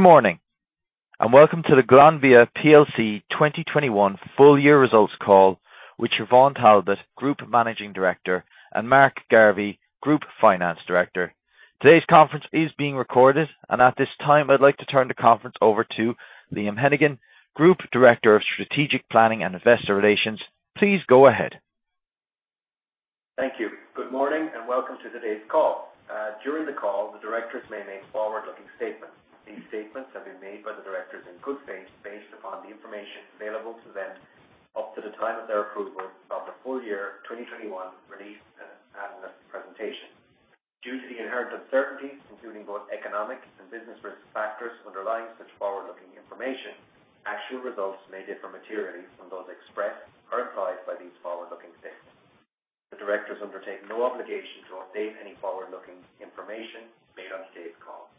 Good morning, and welcome to the Glanbia plc 2021 full year results call with Siobhán Talbot, Group Managing Director, and Mark Garvey, Group Finance Director. Today's conference is being recorded, and at this time, I'd like to turn the conference over to Liam Hennigan, Group Director of Strategic Planning and Investor Relations. Please go ahead. Thank you. Good morning, and welcome to today's call. During the call, the directors may make forward-looking statements. These statements have been made by the directors in good faith based upon the information available to them up to the time of their approval of the full year 2021 release and presentation. Due to the inherent uncertainties, including both economic and business risk factors underlying such forward-looking information, actual results may differ materially from those expressed or implied by these forward-looking statements. The directors undertake no obligation to update any forward-looking information made on today's call,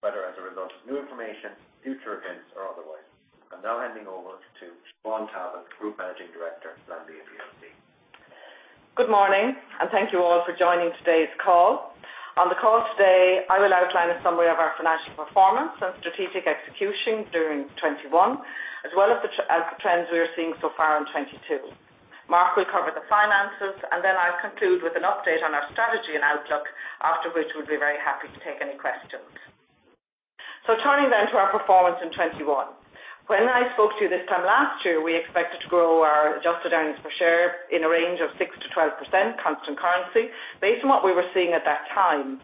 whether as a result of new information, future events, or otherwise. I'm now handing over to Siobhán Talbot, Group Managing Director, Glanbia plc. Good morning, and thank you all for joining today's call. On the call today, I will outline a summary of our financial performance and strategic execution during 2021, as well as the trends we are seeing so far in 2022. Mark will cover the finances, and then I'll conclude with an update on our strategy and outlook, after which we'll be very happy to take any questions. Turning then to our performance in 2021. When I spoke to you this time last year, we expected to grow our adjusted earnings per share in a range of 6%-12% constant currency based on what we were seeing at that time.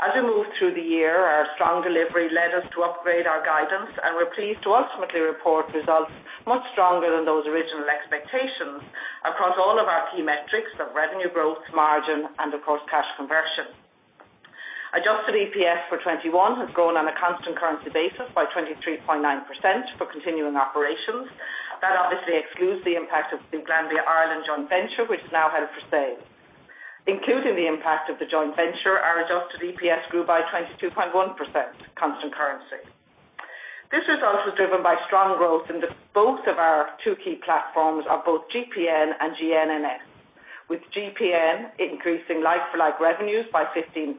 As we moved through the year, our strong delivery led us to upgrade our guidance, and we're pleased to ultimately report results much stronger than those original expectations across all of our key metrics of revenue growth, margin, and of course, cash conversion. Adjusted EPS for 2021 has grown on a constant currency basis by 23.9% for continuing operations. That obviously excludes the impact of the Glanbia Ireland joint venture, which is now held for sale. Including the impact of the joint venture, our adjusted EPS grew by 22.1% constant currency. This was also driven by strong growth in the both of our two key platforms of both GPN and GN NS, with GPN increasing like-for-like revenues by 15.9%,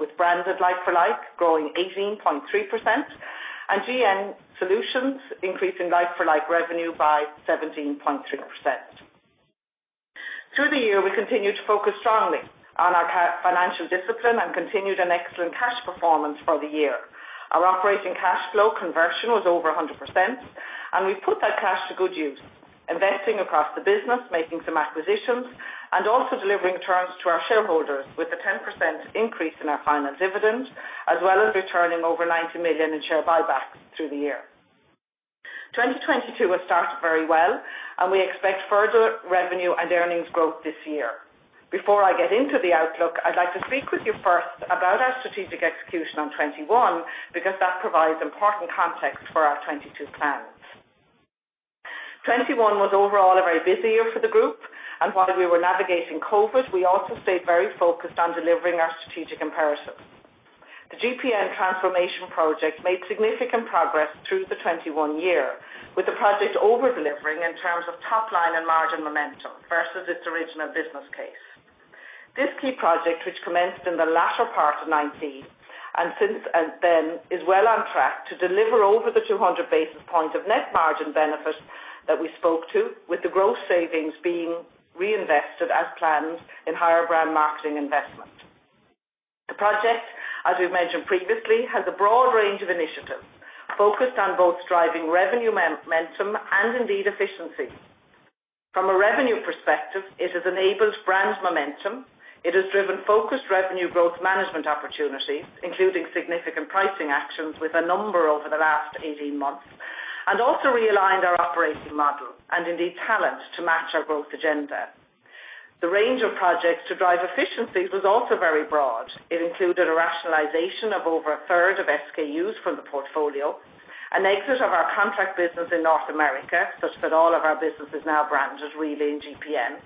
with branded like for like growing 18.3%, and GN NS increasing like for like revenue by 17.3%. Through the year, we continued to focus strongly on our financial discipline and continued an excellent cash performance for the year. Our operating cash flow conversion was over 100%, and we put that cash to good use, investing across the business, making some acquisitions, and also delivering returns to our shareholders with a 10% increase in our final dividend, as well as returning over €90 million in share buybacks through the year. 2022 has Started very well, and we expect further revenue and earnings growth this year. Before I get into the outlook, I'd like to speak with you first about our strategic execution on 2021 because that provides important context for our 2022 plans. 2021 was overall a very busy year for the group, and while we were navigating COVID, we also stayed very focused on delivering our strategic imperatives. The GPN transformation project made significant progress through 2021, with the project over-delivering in terms of top line and margin momentum versus its original business case. This key project, which commenced in the latter part of 2019, and since then, is well on track to deliver over the 200 basis points of net margin benefit that we spoke to, with the growth savings being reinvested as planned in higher brand marketing investment. The project, as we've mentioned previously, has a broad range of initiatives focused on both driving revenue momentum and indeed efficiency. From a revenue perspective, it has enabled brand momentum, it has driven focused revenue growth management opportunities, including significant pricing actions with a number of over the last 18 months, and also realigned our operating model and indeed talent to match our growth agenda. The range of projects to drive efficiencies was also very broad. It included a rationalization of over a third of SKUs from the portfolio, an exit of our contract business in North America such that all of our business is now branded, really, in GPN.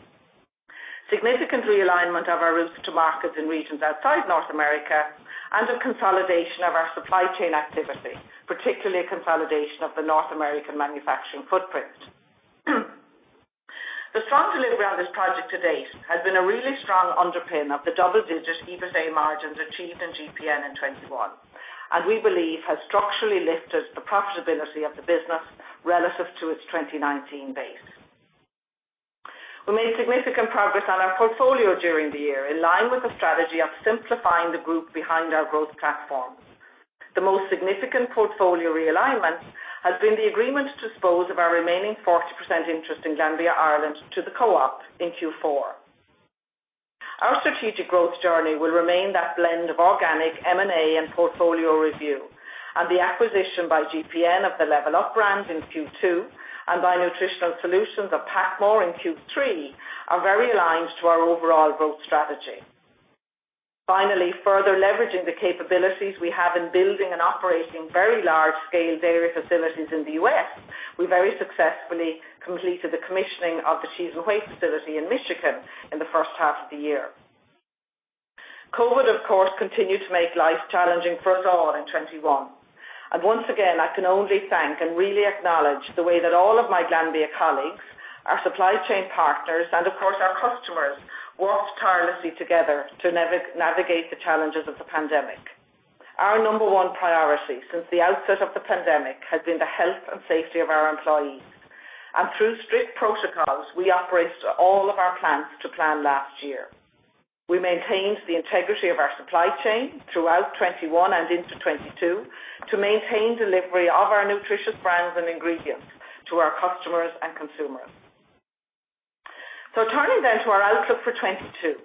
Significant realignment of our routes to markets and regions outside North America, and a consolidation of our supply chain activity, particularly a consolidation of the North American manufacturing footprint. The strong delivery on this project to date has been a really strong underpin of the double-digit EBITDA margins achieved in GPN in 2021, and we believe has structurally lifted the profitability of the business relative to its 2019 base. We made significant progress on our portfolio during the year in line with the strategy of simplifying the group behind our growth platforms. The most significant portfolio realignment has been the agreement to dispose of our remaining 40% interest in Glanbia Ireland to the co-op in Q4. Our strategic growth journey will remain that blend of organic M&A and portfolio review, and the acquisition by GPN of the LevelUp brand in Q2 and by Nutritional Solutions of PacMoore in Q3 are very aligned to our overall growth strategy. Finally, further leveraging the capabilities we have in building and operating very large-scale dairy facilities in the U.S., we very successfully completed the commissioning of the cheese and whey facility in Michigan in the first half of the year. COVID, of course, continued to make life challenging for us all in 2021. Once again, I can only thank and really acknowledge the way that all of my Glanbia colleagues, our supply chain partners, and of course our customers, worked tirelessly together to navigate the challenges of the pandemic. Our number one priority since the outset of the pandemic has been the health and safety of our employees. Through strict protocols, we operated all of our plants to plan last year. We maintained the integrity of our supply chain throughout 2021 and into 2022 to maintain delivery of our nutritious brands and ingredients to our customers and consumers. Turning then to our outlook for 2022.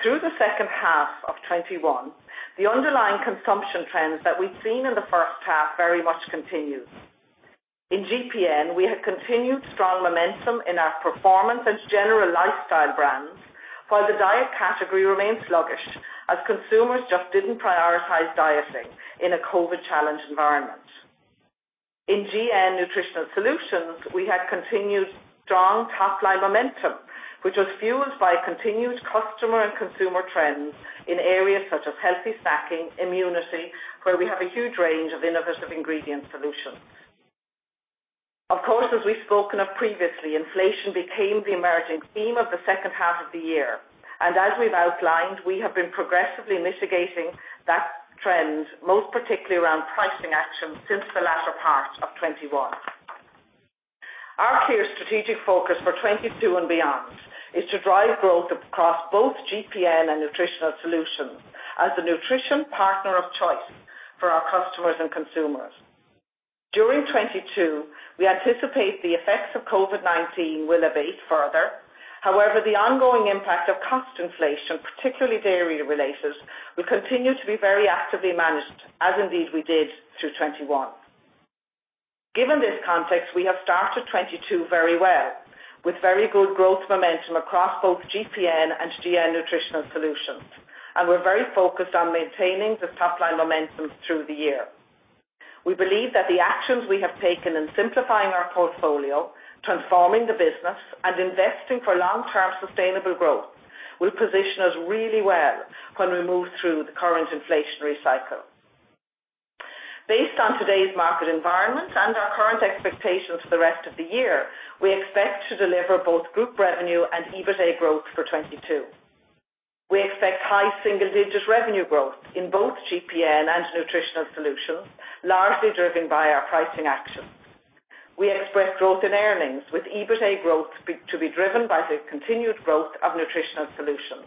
Through the H2 of 2021, the underlying consumption trends that we've seen in the first half very much continued. In GPN, we had continued strong momentum in our performance and general lifestyle brands, while the diet category remained sluggish as consumers just didn't prioritize dieting in a COVID-challenged environment. In GN Nutritional Solutions, we had continued strong top-line momentum, which was fueled by continued customer and consumer trends in areas such as healthy snacking, immunity, where we have a huge range of innovative ingredient solutions. Of course, as we've spoken of previously, inflation became the emerging theme of the second H2 of the year. As we've outlined, we have been progressively mitigating that trend, most particularly around pricing action, since the latter part of 2021. Our clear strategic focus for 2022 and beyond is to drive growth across both GPN and Nutritional Solutions as a nutrition partner of choice for our customers and consumers. During 2022, we anticipate the effects of COVID-19 will abate further. However, the ongoing impact of cost inflation, particularly dairy-related, will continue to be very actively managed, as indeed we did through 2021. Given this context, we have Started 2022 very well, with very good growth momentum across both GPN and GN Nutritional Solutions, and we're very focused on maintaining this top-line momentum through the year. We believe that the actions we have taken in simplifying our portfolio, transforming the business, and investing for long-term sustainable growth will position us really well when we move through the current inflationary cycle. Based on today's market environment and our current expectations for the rest of the year, we expect to deliver both group revenue and EBITA growth for 2022. We expect high single-digit revenue growth in both GPN and Nutritional Solutions, largely driven by our pricing actions. We expect growth in earnings with EBITA growth to be driven by the continued growth of Nutritional Solutions.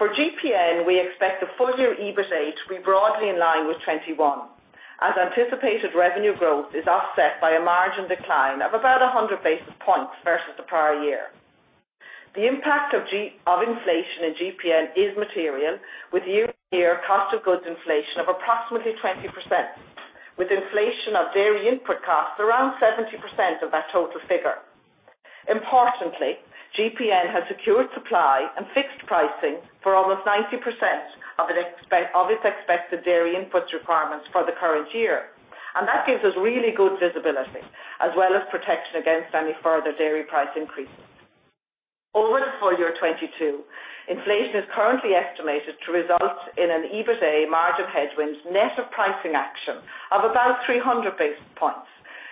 For GPN, we expect the full-year EBITA to be broadly in line with 2021, as anticipated revenue growth is offset by a margin decline of about 100 basis points versus the prior year. The impact of inflation in GPN is material, with year-over-year cost of goods inflation of approximately 20%, with inflation of dairy input costs around 70% of that total figure. Importantly, GPN has secured supply and fixed pricing for almost 90% of its expected dairy input requirements for the current year. That gives us really good visibility, as well as protection against any further dairy price increases. Over the full year 2022, inflation is currently estimated to result in an EBITA margin headwind net of pricing action of about 300 basis points,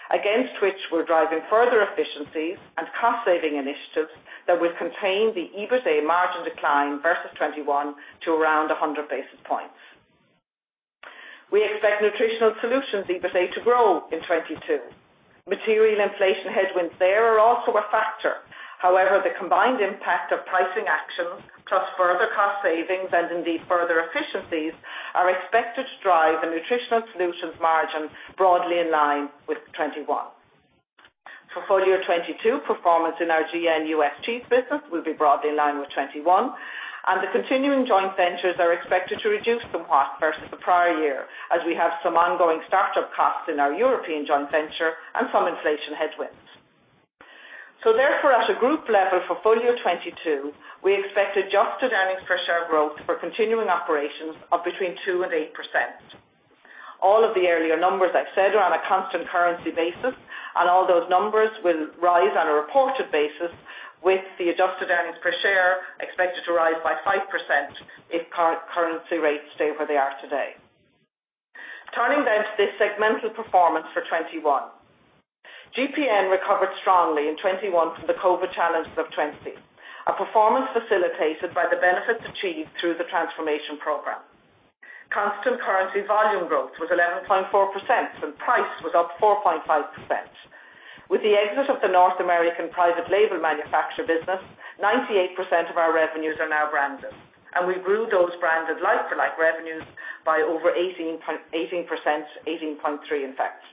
against which we're driving further efficiencies and cost-saving initiatives that will contain the EBITA margin decline versus 2021 to around 100 basis points. We expect Nutritional Solutions EBITA to grow in 2022. Material inflation headwinds there are also a factor. However, the combined impact of pricing actions, plus further cost savings and indeed further efficiencies, are expected to drive the Nutritional Solutions margin broadly in line with 2021. For full year 2022, performance in our GN U.S Cheese business will be broadly in line with 2021, and the continuing joint ventures are expected to reduce somewhat versus the prior year, as we have some ongoing Start-up costs in our European joint venture and some inflation headwinds. Therefore, at a group level for full year 2022, we expect adjusted earnings per share growth for continuing operations of between 2% and 8%. All of the earlier numbers I've said are on a constant currency basis, and all those numbers will rise on a reported basis, with the adjusted earnings per share expected to rise by 5% if currency rates stay where they are today. Turning to the segmental performance for 2021. GPN recovered strongly in 2021 from the COVID challenges of 2020, a performance facilitated by the benefits achieved through the transformation program. Constant currency volume growth was 11.4%, and price was up 4.5%. With the exit of the North American private label manufacturer business, 98% of our revenues are now branded, and we grew those branded like-for-like revenues by over 18.3%, in fact.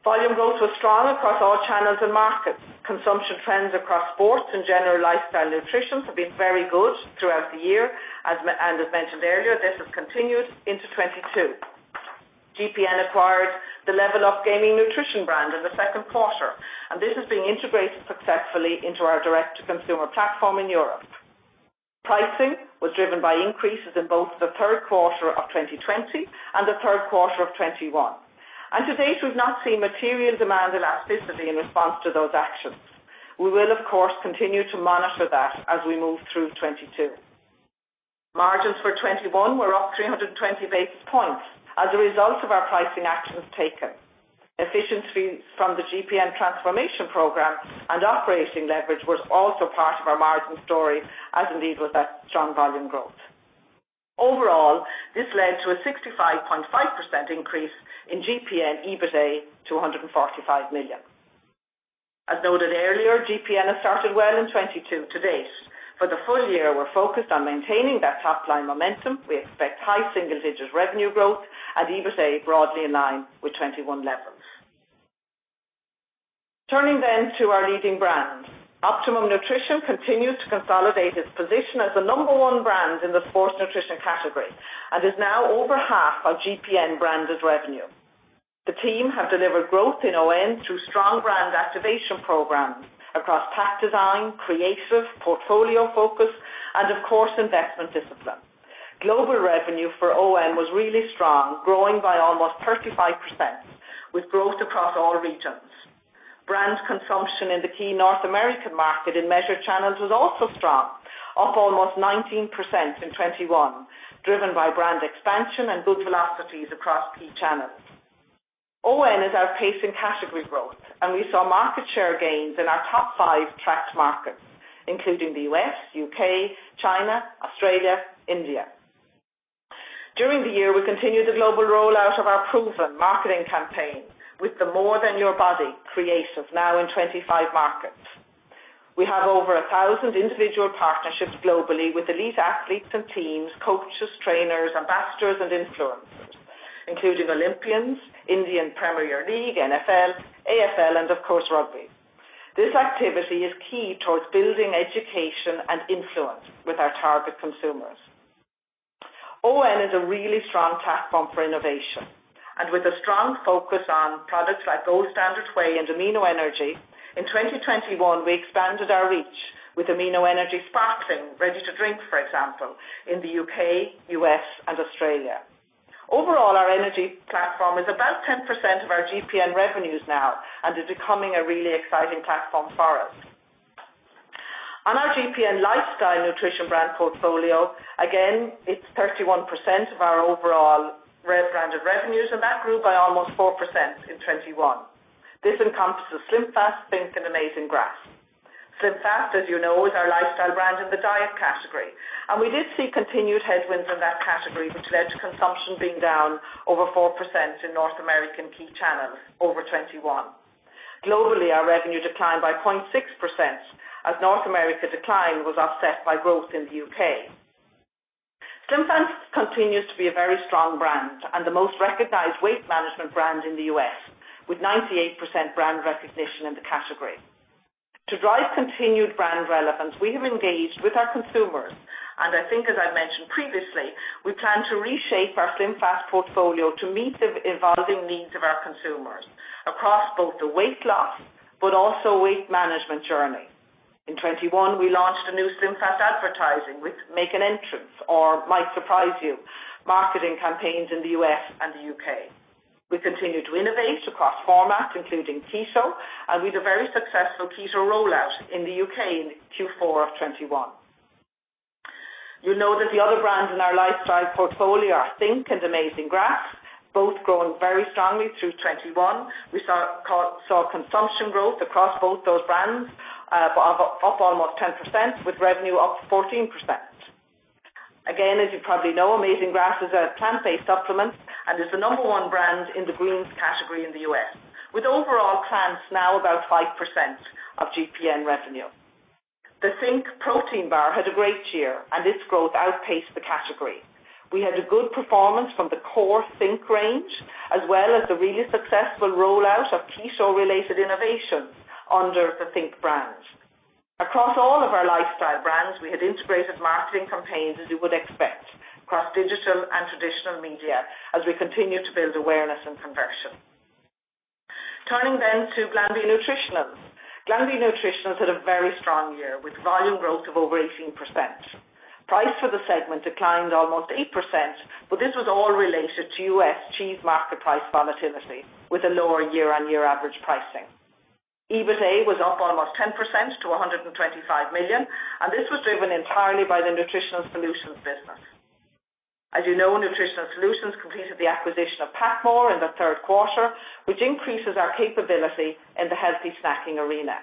Volume growth was strong across all channels and markets. Consumption trends across sports and general lifestyle nutrition have been very good throughout the year. As mentioned earlier, this has continued into 2022. GPN acquired the LevelUp gaming nutrition brand in the second quarter, and this is being integrated successfully into our direct-to-consumer platform in Europe. Pricing was driven by increases in both the third quarter of 2020 and the third quarter of 2021. To date, we've not seen material demand elasticity in response to those actions. We will, of course, continue to monitor that as we move through 2022. Margins for 2021 were up 320 basis points as a result of our pricing actions taken. Efficiency from the GPN transformation program and operating leverage was also part of our margin story, as indeed was that strong volume growth. Overall, this led to a 65.5% increase in GPN EBITA to 145 million. As noted earlier, GPN has Started well in 2022 to date. For the full year, we're focused on maintaining that top-line momentum. We expect high single-digit revenue growth and EBITA broadly in line with 2021 levels. Turning to our leading brand. Optimum Nutrition continues to consolidate its position as the number one brand in the sports nutrition category, and is now over half our GPN branded revenue. The team have delivered growth in ON through strong brand activation programs across pack design, creative, portfolio focus, and of course, investment discipline. Global revenue for ON was really strong, growing by almost 35% with growth across all regions. Brand consumption in the key North American market in measured channels was also strong, up almost 19% in 2021, driven by brand expansion and good velocities across key channels. ON is our pacing category growth, and we saw market share gains in our top 5 tracked markets, including the U.S., U.K., China, Australia, India. During the year, we continued the global rollout of our Proven marketing campaign with the More Than Your Body creative, now in 25 markets. We have over 1,000 individual partnerships globally with elite athletes and teams, coaches, trainers, ambassadors, and influencers, including Olympians, Indian Premier League, NFL, AFL, and of course, rugby. This activity is key towards building education and influence with our target consumers. ON is a really strong platform for innovation, and with a strong focus on products like Gold Standard Whey and Amino Energy. In 2021 we expanded our reach with Amino Energy Sparkling ready to drink, for example, in the U.K., U.S., and Australia. Overall, our energy platform is about 10% of our GPN revenues now and is becoming a really exciting platform for us. On our GPN lifestyle nutrition brand portfolio, again, it's 31% of our overall branded revenues, and that grew by almost 4% in 2021. This encompasses SlimFast, Think!, and Amazing Grass. SlimFast, as you know, is our lifestyle brand in the diet category, and we did see continued headwinds in that category, which led to consumption being down over 4% in North American key channels over 2021. Globally, our revenue declined by 0.6% as North America decline was offset by growth in the U.K. SlimFast continues to be a very strong brand and the most recognized weight management brand in the U.S. with 98% brand recognition in the category. To drive continued brand relevance, we have engaged with our consumers, and I think as I mentioned previously, we plan to reshape our SlimFast portfolio to meet the evolving needs of our consumers across both the weight loss but also weight management journey. In 2021, we launched a new SlimFast advertising with Make an Entrance or Might Surprise You marketing campaigns in the U.S. and the U.K. We continue to innovate across formats, including keto, and with a very successful keto rollout in the U.K. in Q4 of 2021. You'll note that the other brands in our lifestyle portfolio are think! Amazing Grass, both growing very strongly through 2021. We saw consumption growth across both those brands up almost 10% with revenue up 14%. Again, as you probably know, Amazing Grass is a plant-based supplement and is the number one brand in the greens category in the U.S., with overall plants now about 5% of GPN revenue. The Think! protein bar had a great year, and its growth outpaced the category. We had a good performance from the core Think! range, as well as a really successful rollout of keto-related innovations under the Think! brand. Across all of our lifestyle brands, we had integrated marketing campaigns, as you would expect, across digital and traditional media as we continue to build awareness and conversion. Turning to Glanbia Nutritionals. Glanbia Nutritionals had a very strong year with volume growth of over 18%. Price for the segment declined almost 8%, but this was all related to U.S Cheese market price volatility with a lower year-on-year average pricing. EBITA was up almost 10% to 125 million, and this was driven entirely by the Nutritional Solutions business. As you know, Nutritional Solutions completed the acquisition of PacMoore in the third quarter, which increases our capability in the healthy snacking arena.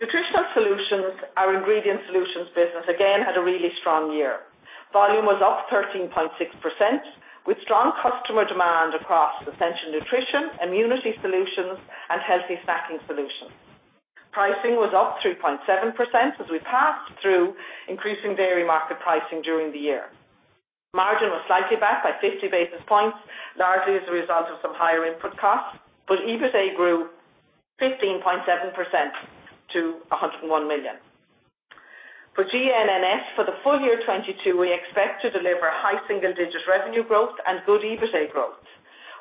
Nutritional Solutions, our ingredient solutions business again had a really strong year. Volume was up 13.6% with strong customer demand across essential nutrition, immunity solutions, and healthy snacking solutions. Pricing was up 3.7% as we passed through increasing dairy market pricing during the year. Margin was slightly back by 50 basis points, largely as a result of some higher input costs, but EBITA grew 15.7% to 101 million. For GN NS, for the full year 2022, we expect to deliver high single-digit revenue growth and good EBITA growth.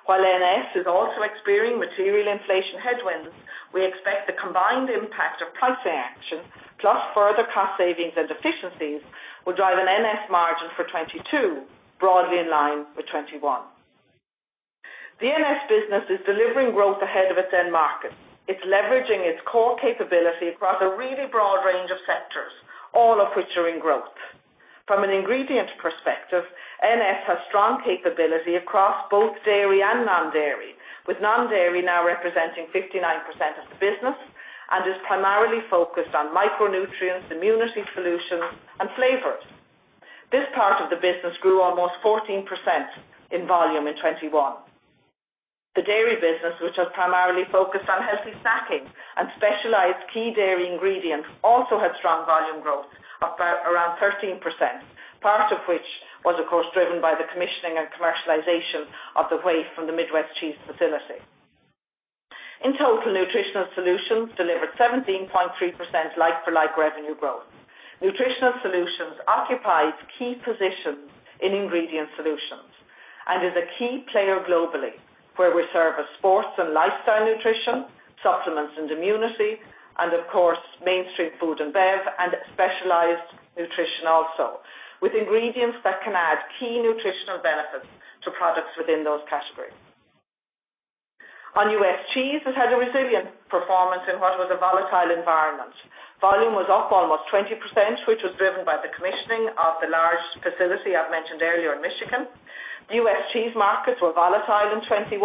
While NS is also experiencing material inflation headwinds, we expect the combined impact of pricing action plus further cost savings and efficiencies will drive an NS margin for 2022, broadly in line with 2021. The NS business is delivering growth ahead of its end market. It's leveraging its core capability across a really broad range of sectors, all of which are in growth. From an ingredient perspective, NS has strong capability across both dairy and non-dairy, with non-dairy now representing 59% of the business, and is primarily focused on micronutrients, immunity solutions, and flavors. This part of the business grew almost 14% in volume in 2021. The dairy business, which was primarily focused on healthy snacking and specialized key dairy ingredients, also had strong volume growth of around 13%, part of which was of course driven by the commissioning and commercialization of the whey from the MWC. In total, Nutritional Solutions delivered 17.3% like-for-like revenue growth. Nutritional Solutions occupies key positions in ingredient solutions and is a key player globally, where we serve as sports and lifestyle nutrition, supplements and immunity, and of course, mainstream food and bev, and specialized nutrition also, with ingredients that can add key nutritional benefits to products within those categories. On U.S Cheese, it had a resilient performance in what was a volatile environment. Volume was up almost 20%, which was driven by the commissioning of the large facility I've mentioned earlier in Michigan. U.S Cheese markets were volatile in 2021,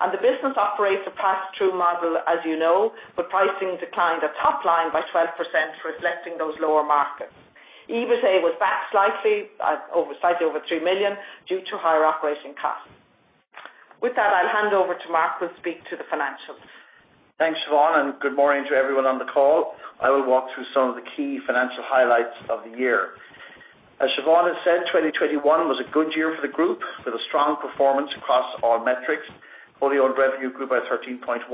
and the business operates a pass-through model, as you know, but pricing declined at top line by 12%, reflecting those lower markets. EBITA was back slightly at over, slightly over 3 million due to higher operating costs. With that, I'll hand over to Mark, who'll speak to the financials. Thanks, Siobhán, and good morning to everyone on the call. I will walk through some of the key financial highlights of the year. Siobhán has said, 2021 was a good year for the group with a strong performance across all metrics. Wholly owned revenue grew by 13.1%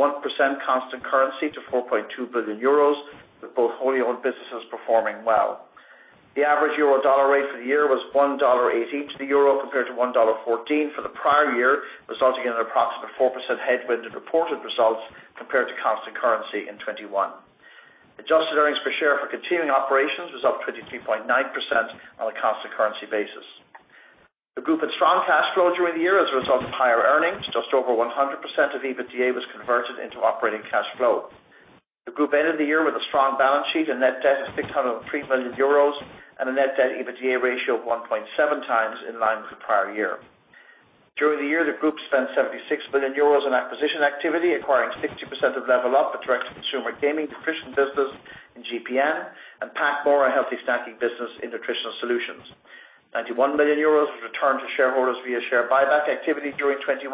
constant currency to 4.2 billion euros, with both wholly owned businesses performing well. The average Euro-dollar rate for the year was $1.80 to the Euro, compared to $1.14 for the prior year, resulting in an approximate 4% headwind in reported results compared to constant currency in 2021. Adjusted earnings per share for continuing operations was up 23.9% on a constant currency basis. The group had strong cash flow during the year as a result of higher earnings. Just over 100% of EBITDA was converted into operating cash flow. The group ended the year with a strong balance sheet and net debt of 603 million euros and a net debt EBITDA ratio of 1.7x in line with the prior year. During the year, the group spent 76 million euros in acquisition activity, acquiring 60% of LevelUp, a direct-to-consumer gaming nutrition business in GPN, and PacMoore, a healthy snacking business in Nutritional Solutions. 91 million euros was returned to shareholders via share buyback activity during 2021,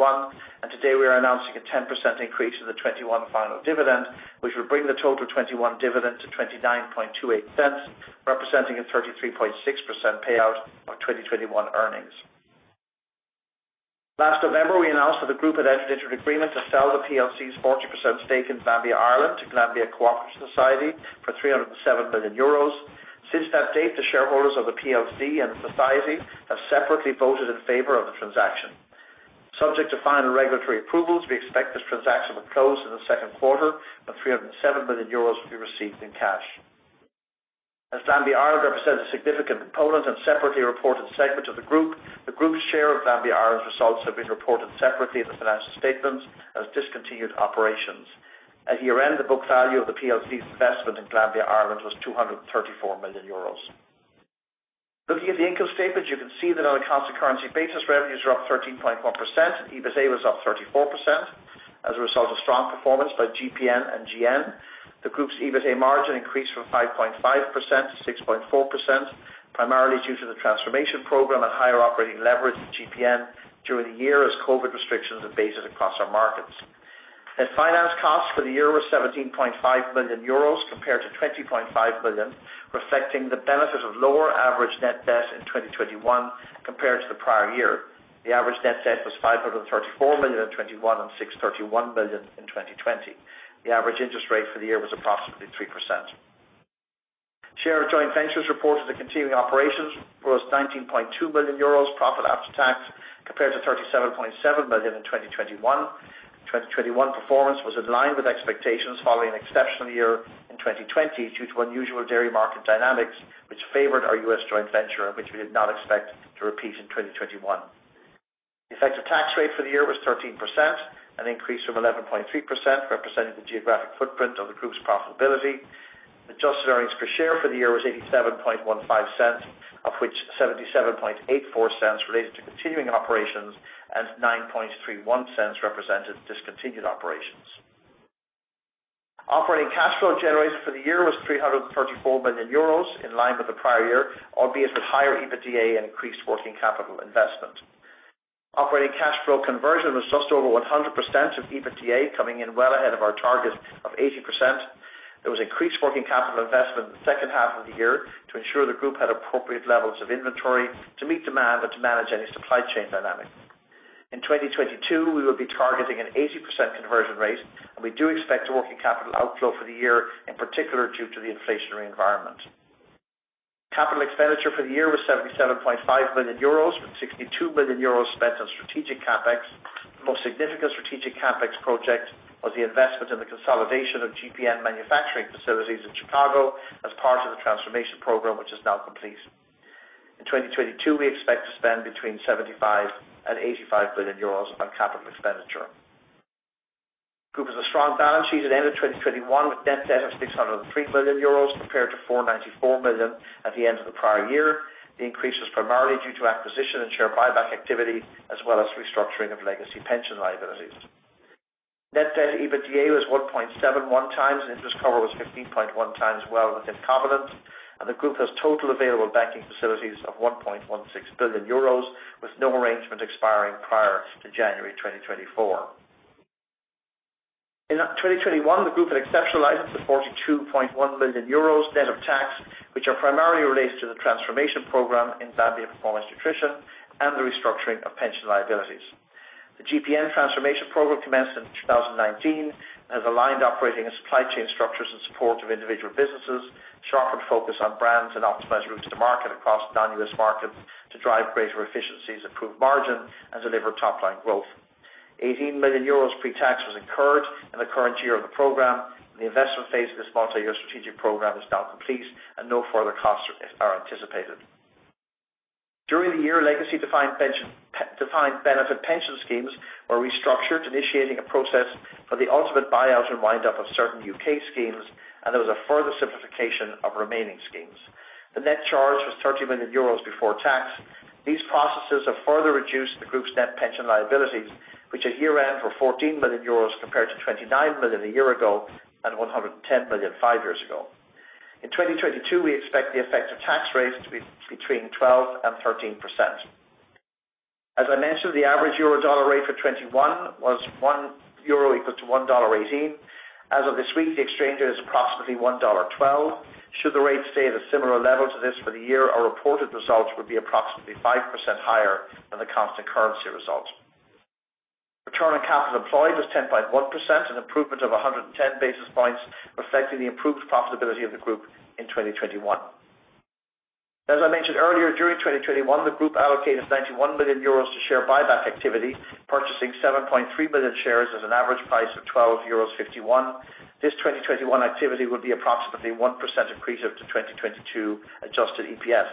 and today we are announcing a 10% increase in the 2021 final dividend, which will bring the total 2021 dividend to 0.2928, representing a 33.6% payout of 2021 earnings. Last November, we announced that the group had entered into an agreement to sell the PLC's 40% stake in Glanbia Ireland to Glanbia Co-operative Society for 307 million euros. Since that date, the shareholders of the PLC and the society have separately voted in favor of the transaction. Subject to final regulatory approvals, we expect this transaction will close in the second quarter, and 307 million euros will be received in cash. As Glanbia Ireland represents a significant component and separately reported segment of the group, the group's share of Glanbia Ireland's results have been reported separately in the financial statements as discontinued operations. At year-end, the book value of the PLC's investment in Glanbia Ireland was 234 million euros. Looking at the income statement, you can see that on a constant currency basis, revenues are up 13.1%. EBITA was up 34% as a result of strong performance by GPN and GN. The group's EBITA margin increased from 5.5%-6.4%, primarily due to the transformation program and higher operating leverage in GPN during the year as COVID restrictions abated across our markets. Net finance costs for the year were 17.5 million euros compared to 20.5 million, reflecting the benefit of lower average net debt in 2021 compared to the prior year. The average net debt was 534 million in 2021 and 631 million in 2020. The average interest rate for the year was approximately 3%. Share of joint ventures reported to continuing operations gross 19.2 million euros profit after tax compared to 37.7 million in 2021. 2021 performance was in line with expectations following an exceptional year in 2020 due to unusual dairy market dynamics which favored our U.S. joint venture, which we did not expect to repeat in 2021. The effective tax rate for the year was 13%, an increase from 11.3%, representing the geographic footprint of the group's profitability. Adjusted earnings per share for the year was 0.8715, of which 0.7784 related to continuing operations and 0.0931 represented discontinued operations. Operating cash flow generated for the year was 334 million euros, in line with the prior year, albeit with higher EBITDA and increased working capital investment. Operating cash flow conversion was just over 100% of EBITDA, coming in well ahead of our target of 80%. There was increased working capital investment in the H2 of the year to ensure the group had appropriate levels of inventory to meet demand and to manage any supply chain dynamic. In 2022, we will be targeting an 80% conversion rate, and we do expect a working capital outflow for the year, in particular due to the inflationary environment. Capital expenditure for the year was 77.5 million euros, with 62 million euros spent on strategic CapEx. The most significant strategic CapEx project was the investment in the consolidation of GPN manufacturing facilities in Chicago as part of the transformation program, which is now complete. In 2022, we expect to spend between 75 million and 85 million euros on capital expenditure. The strong balance sheet at the end of 2021 with net debt of 603 million euros compared to 494 million at the end of the prior year. The increase was primarily due to acquisition and share buyback activity, as well as restructuring of legacy pension liabilities. Net debt EBITDA was 1.71 times. Interest cover was 15.1 times well within covenants, and the group has total available banking facilities of 1.16 billion euros, with no arrangement expiring prior to January 2024. In 2021, the group had exceptional items of 42.1 million euros net of tax, which are primarily related to the transformation program in Glanbia Performance Nutrition and the restructuring of pension liabilities. The GPN transformation program commenced in 2019 and has aligned operating and supply chain structures in support of individual businesses, sharpened focus on brands, and optimized routes to market across non-U.S. markets to drive greater efficiencies, improve margin, and deliver top-line growth. 18 million euros pre-tax was incurred in the current year of the program, and the investment phase of this multiyear strategic program is now complete and no further costs are anticipated. During the year, legacy defined benefit pension schemes were restructured, initiating a process for the ultimate buyout and wind up of certain U.K. schemes, and there was a further simplification of remaining schemes. The net charge was 30 million euros before tax. These processes have further reduced the group's net pension liabilities, which at year-end were 14 million euros compared to 29 million a year ago and 110 million five years ago. In 2022, we expect the effect of tax rates to be between 12%-13%. As I mentioned, the average euro-dollar rate for 2021 was one euro equal to one dollar eighteen. As of this week, the exchange rate is approximately one dollar twelve. Should the rate stay at a similar level to this for the year, our reported results would be approximately 5% higher than the constant currency result. Return on capital employed was 10.1%, an improvement of 110 basis points, reflecting the improved profitability of the group in 2021. As I mentioned earlier, during 2021, the group allocated 91 million euros to share buyback activity, purchasing 7.3 million shares at an average price of 12.51 euros. This 2021 activity would be approximately 1% accretive to 2022 adjusted EPS.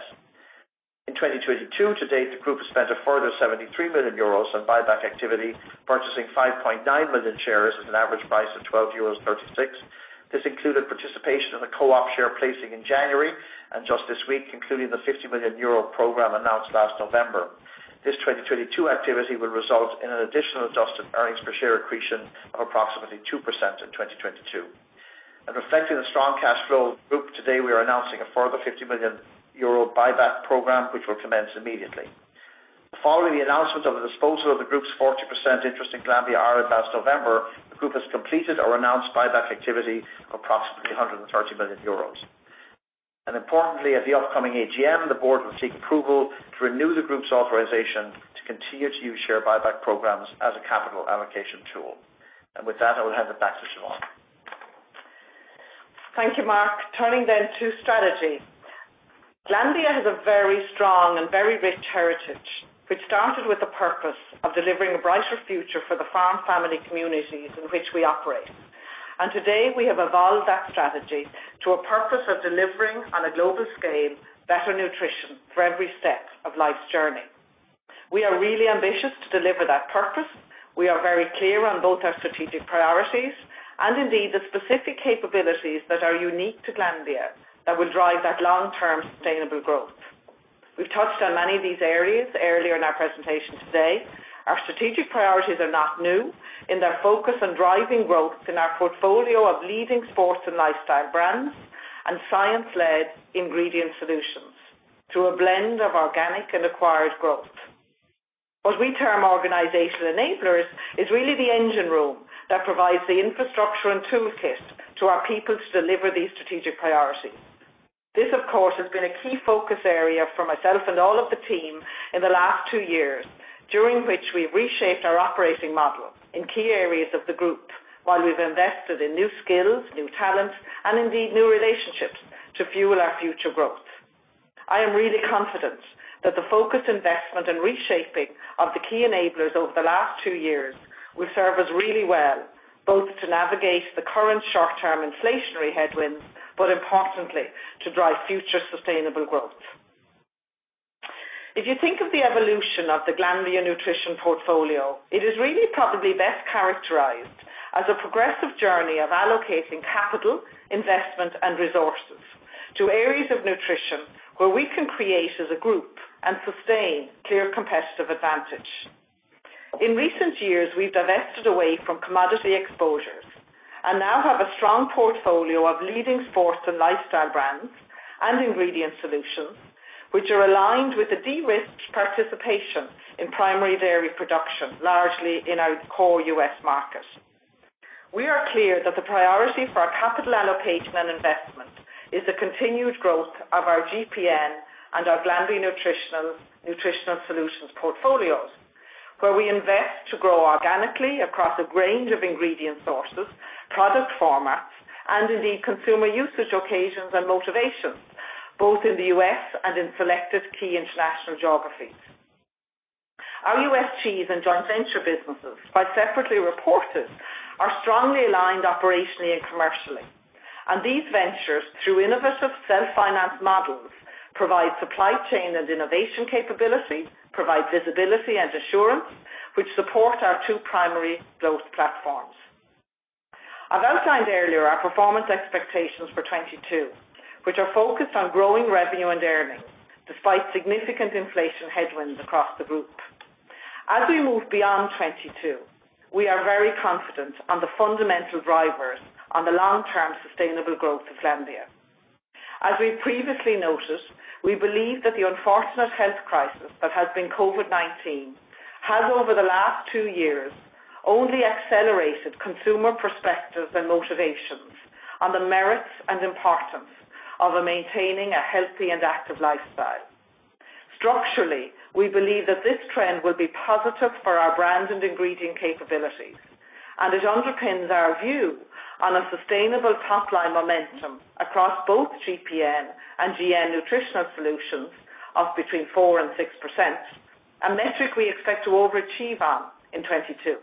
In 2022 to date, the group has spent a further 73 million euros on buyback activity, purchasing 5.9 million shares at an average price of 12.36 euros. This included participation in the Co-op share placing in January and just this week, concluding the 50 million euro program announced last November. This 2022 activity will result in an additional adjusted earnings per share accretion of approximately 2% in 2022. Reflecting the strong cash flow of the group, today we are announcing a further 50 million euro buyback program which will commence immediately. Following the announcement of the disposal of the group's 40% interest in Glanbia Ireland last November, the group has completed or announced buyback activity of approximately 130 million euros. Importantly, at the upcoming AGM, the board will seek approval to renew the group's authorization to continue to use share buyback programs as a capital allocation tool. With that, I will hand it back to Siobhán. Thank you, Mark. Turning to strategy. Glanbia has a very strong and very rich heritage, which Started with the purpose of delivering a brighter future for the farm family communities in which we operate. Today, we have evolved that strategy to a purpose of delivering, on a global scale, better nutrition for every step of life's journey. We are really ambitious to deliver that purpose. We are very clear on both our strategic priorities and indeed the specific capabilities that are unique to Glanbia that will drive that long-term sustainable growth. We've touched on many of these areas earlier in our presentation today. Our strategic priorities are not new in their focus on driving growth in our portfolio of leading sports and lifestyle brands and science-led ingredient solutions through a blend of organic and acquired growth. What we term organizational enablers is really the engine room that provides the infrastructure and toolkit to our people to deliver these strategic priorities. This, of course, has been a key focus area for myself and all of the team in the last two years, during which we've reshaped our operating model in key areas of the group while we've invested in new skills, new talent, and indeed new relationships to fuel our future growth. I am really confident that the focused investment and reshaping of the key enablers over the last two years will serve us really well, both to navigate the current short-term inflationary headwinds, but importantly, to drive future sustainable growth. If you think of the evolution of the Glanbia nutrition portfolio, it is really probably best characterized as a progressive journey of allocating capital, investment, and resources to areas of nutrition where we can create as a group and sustain clear competitive advantage. In recent years, we've divested away from commodity exposures and now have a strong portfolio of leading sports and lifestyle brands and ingredient solutions which are aligned with the de-risked participation in primary dairy production, largely in our core U.S. market. We are clear that the priority for our capital allocation and investment is the continued growth of our GPN and our Glanbia Nutritionals, Nutritional Solutions portfolios, where we invest to grow organically across a range of ingredient sources, product formats, and indeed consumer usage occasions and motivations, both in the U.S. and in selected key international geographies. Our U.S. Cheese and joint venture businesses, while separately reported, are strongly aligned operationally and commercially. These ventures through innovative self-finance models, provide supply chain and innovation capability, provide visibility and assurance, which support our two primary growth platforms. I've outlined earlier our performance expectations for 2022, which are focused on growing revenue and earnings despite significant inflation headwinds across the group. As we move beyond 2022, we are very confident on the fundamental drivers on the long-term sustainable growth of Glanbia. As we previously noted, we believe that the unfortunate health crisis that has been COVID-19 has, over the last two years, only accelerated consumer perspectives and motivations on the merits and importance of maintaining a healthy and active lifestyle. Structurally, we believe that this trend will be positive for our brand and ingredient capabilities, and it underpins our view on a sustainable top-line momentum across both GPN and GN Nutritional Solutions of between 4%-6%, a metric we expect to overachieve on in 2022.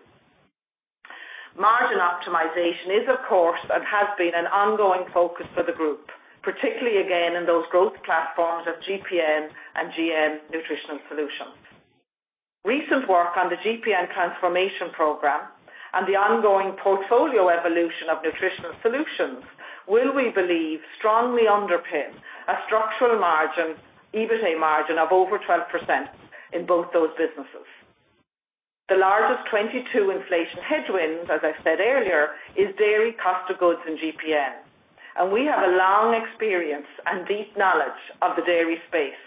Margin optimization is, of course, and has been an ongoing focus for the group, particularly again in those growth platforms of GPN and GN Nutritional Solutions. Recent work on the GPN transformation program and the ongoing portfolio evolution of Nutritional Solutions will, we believe, strongly underpin a structural margin, EBITA margin of over 12% in both those businesses. The largest 2022 inflation headwinds, as I said earlier, is dairy cost of goods in GPN, and we have a long experience and deep knowledge of the dairy space,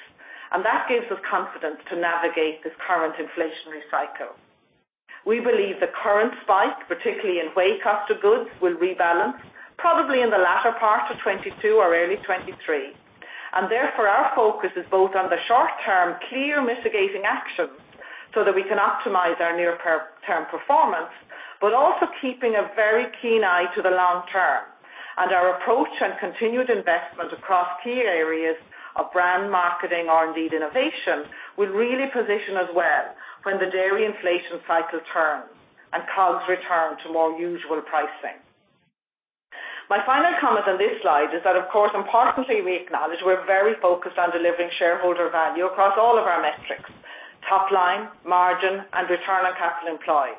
and that gives us confidence to navigate this current inflationary cycle. We believe the current spike, particularly in whey cost of goods, will rebalance probably in the latter part of 2022 or early 2023. Therefore, our focus is both on the short term, clear mitigating actions so that we can optimize our near per-term performance, but also keeping a very keen eye to the long term. Our approach and continued investment across key areas of brand marketing or indeed innovation, will really position us well when the dairy inflation cycle turns and COGS return to more usual pricing. My final comment on this slide is that of course importantly we acknowledge we're very focused on delivering shareholder value across all of our metrics, top line, margin, and return on capital employed.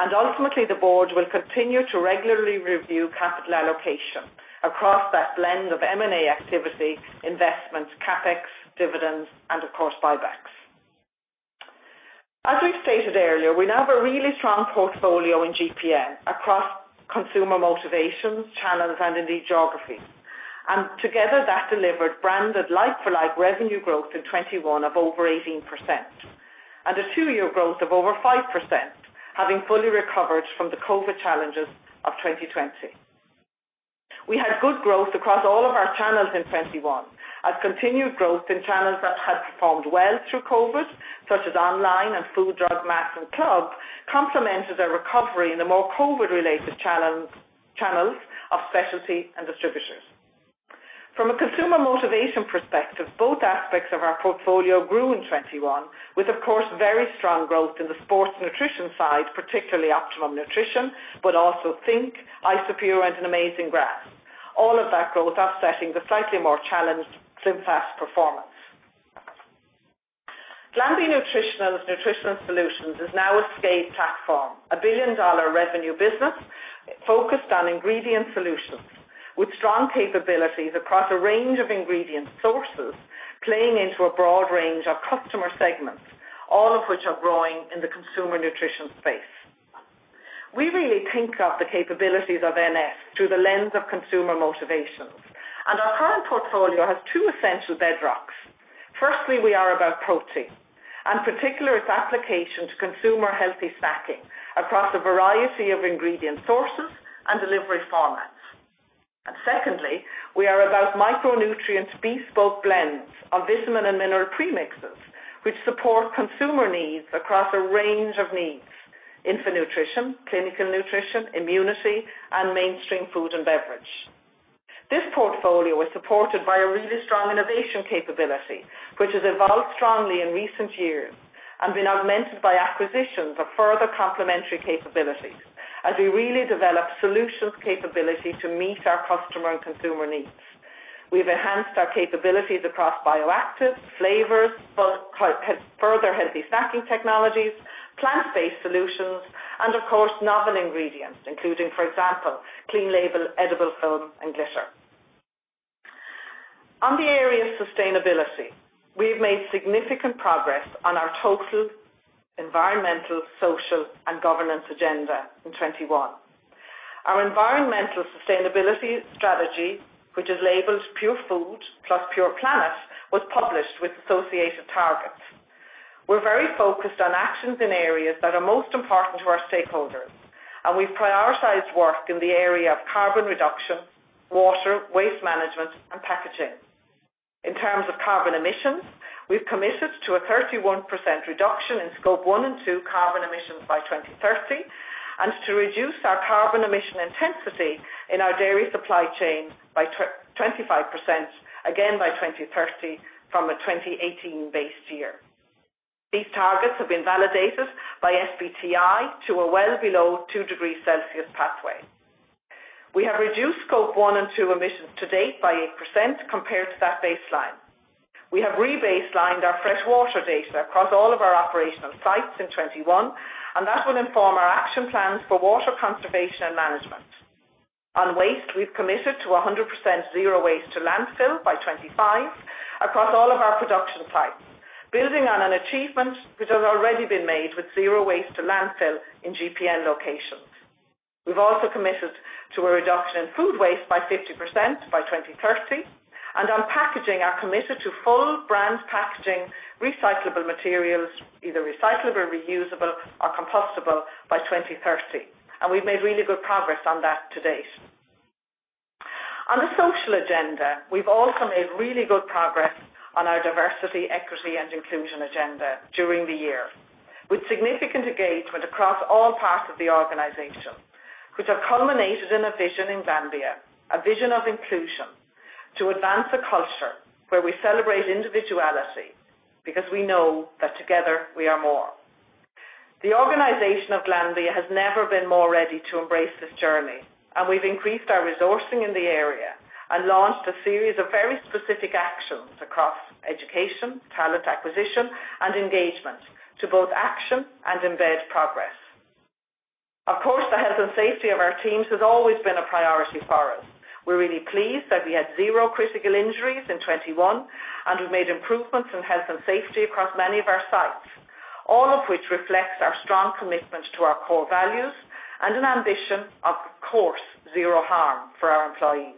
Ultimately, the board will continue to regularly review capital allocation across that blend of M&A activity, investments, CapEx, dividends, and of course, buybacks. As we stated earlier, we now have a really strong portfolio in GPN across consumer motivations, channels, and indeed geographies. Together that delivered branded like-for-like revenue growth in 2021 of over 18% and a two-year growth of over 5%, having fully recovered from the COVID challenges of 2020. We had good growth across all of our channels in 2021. A continued growth in channels that had performed well through COVID, such as online and food, drug, mass, and club, complemented a recovery in the more COVID related challenge, channels of specialty and distributors. From a consumer motivation perspective, both aspects of our portfolio grew in 2021 with, of course, very strong growth in the sports nutrition side, particularly Optimum Nutrition, but also Think!, Isopure, and Amazing Grass, all of that growth offsetting the slightly more challenged SlimFast performance. Glanbia Nutritionals Nutritional Solutions is now a scale platform, a billion-dollar revenue business focused on ingredient solutions with strong capabilities across a range of ingredient sources, playing into a broad range of customer segments, all of which are growing in the consumer nutrition space. We really think of the capabilities of NS through the lens of consumer motivations, and our current portfolio has two essential bedrocks. Firstly, we are about protein and particular its application to consumer healthy snacking across a variety of ingredient sources and delivery formats. Secondly, we are about micronutrients bespoke blends of vitamin and mineral premixes, which support consumer needs across a range of needs, infant nutrition, clinical nutrition, immunity, and mainstream food and beverage. This portfolio is supported by a really strong innovation capability, which has evolved strongly in recent years and been augmented by acquisitions of further complementary capabilities as we really develop solutions capability to meet our customer and consumer needs. We've enhanced our capabilities across bioactives, flavors, functional healthy snacking technologies, plant-based solutions, and of course, novel ingredients, including, for example, clean label, edible film, and glitter. On the area of sustainability, we have made significant progress on our total environmental, social, and governance agenda in 2021. Our environmental sustainability strategy, which is labeled Pure Food + Pure Planet, was published with associated targets. We're very focused on actions in areas that are most important to our stakeholders, and we've prioritized work in the area of carbon reduction, water, waste management, and packaging. In terms of carbon emissions, we've committed to a 31% reduction in scope one and two carbon emissions by 2030 and to reduce our carbon emission intensity in our dairy supply chain by 25%, again by 2030 from a 2018 base year. These targets have been validated by SBTI to a well below 2 degrees Celsius pathway. We have reduced scope one and two emissions to date by 8% compared to that baseline. We have rebaselined our freshwater data across all of our operational sites in 2021, and that will inform our action plans for water conservation and management. On waste, we've committed to 100% zero waste to landfill by 25 across all of our production sites, building on an achievement which has already been made with zero waste to landfill in GPN locations. We've also committed to a reduction in food waste by 50% by 2030. On packaging, we are committed to full brand packaging, recyclable materials, either recyclable, reusable or compostable by 2030. We've made really good progress on that to date. On the social agenda, we've also made really good progress on our diversity, equity, and inclusion agenda during the year, with significant engagement across all parts of the organization, which have culminated in a vision in Glanbia, a vision of inclusion to advance a culture where we celebrate individuality because we know that together we are more. The organization of Glanbia has never been more ready to embrace this journey, and we've increased our resourcing in the area and launched a series of very specific actions across education, talent acquisition, and engagement to both action and embed progress. Of course, the health and safety of our teams has always been a priority for us. We're really pleased that we had 0 critical injuries in 2021, and we've made improvements in health and safety across many of our sites, all of which reflects our strong commitment to our core values and an ambition, of course, 0 harm for our employees.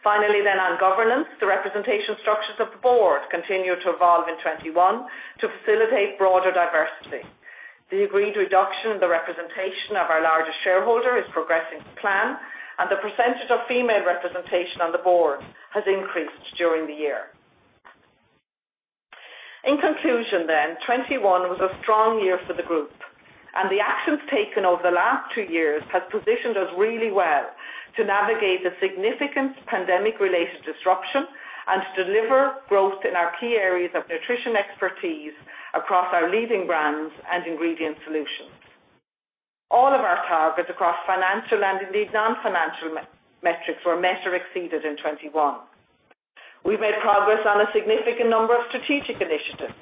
Finally on governance, the representation structures of the board continued to evolve in 2021 to facilitate broader diversity. The agreed reduction in the representation of our largest shareholder is progressing to plan, and the percentage of female representation on the board has increased during the year. In conclusion, 2021 was a strong year for the group, and the actions taken over the last two years has positioned us really well to navigate the significant pandemic-related disruption and to deliver growth in our key areas of nutrition expertise across our leading brands and ingredient solutions. All of our targets across financial and indeed non-financial metrics were met or exceeded in 2021. We've made progress on a significant number of strategic initiatives.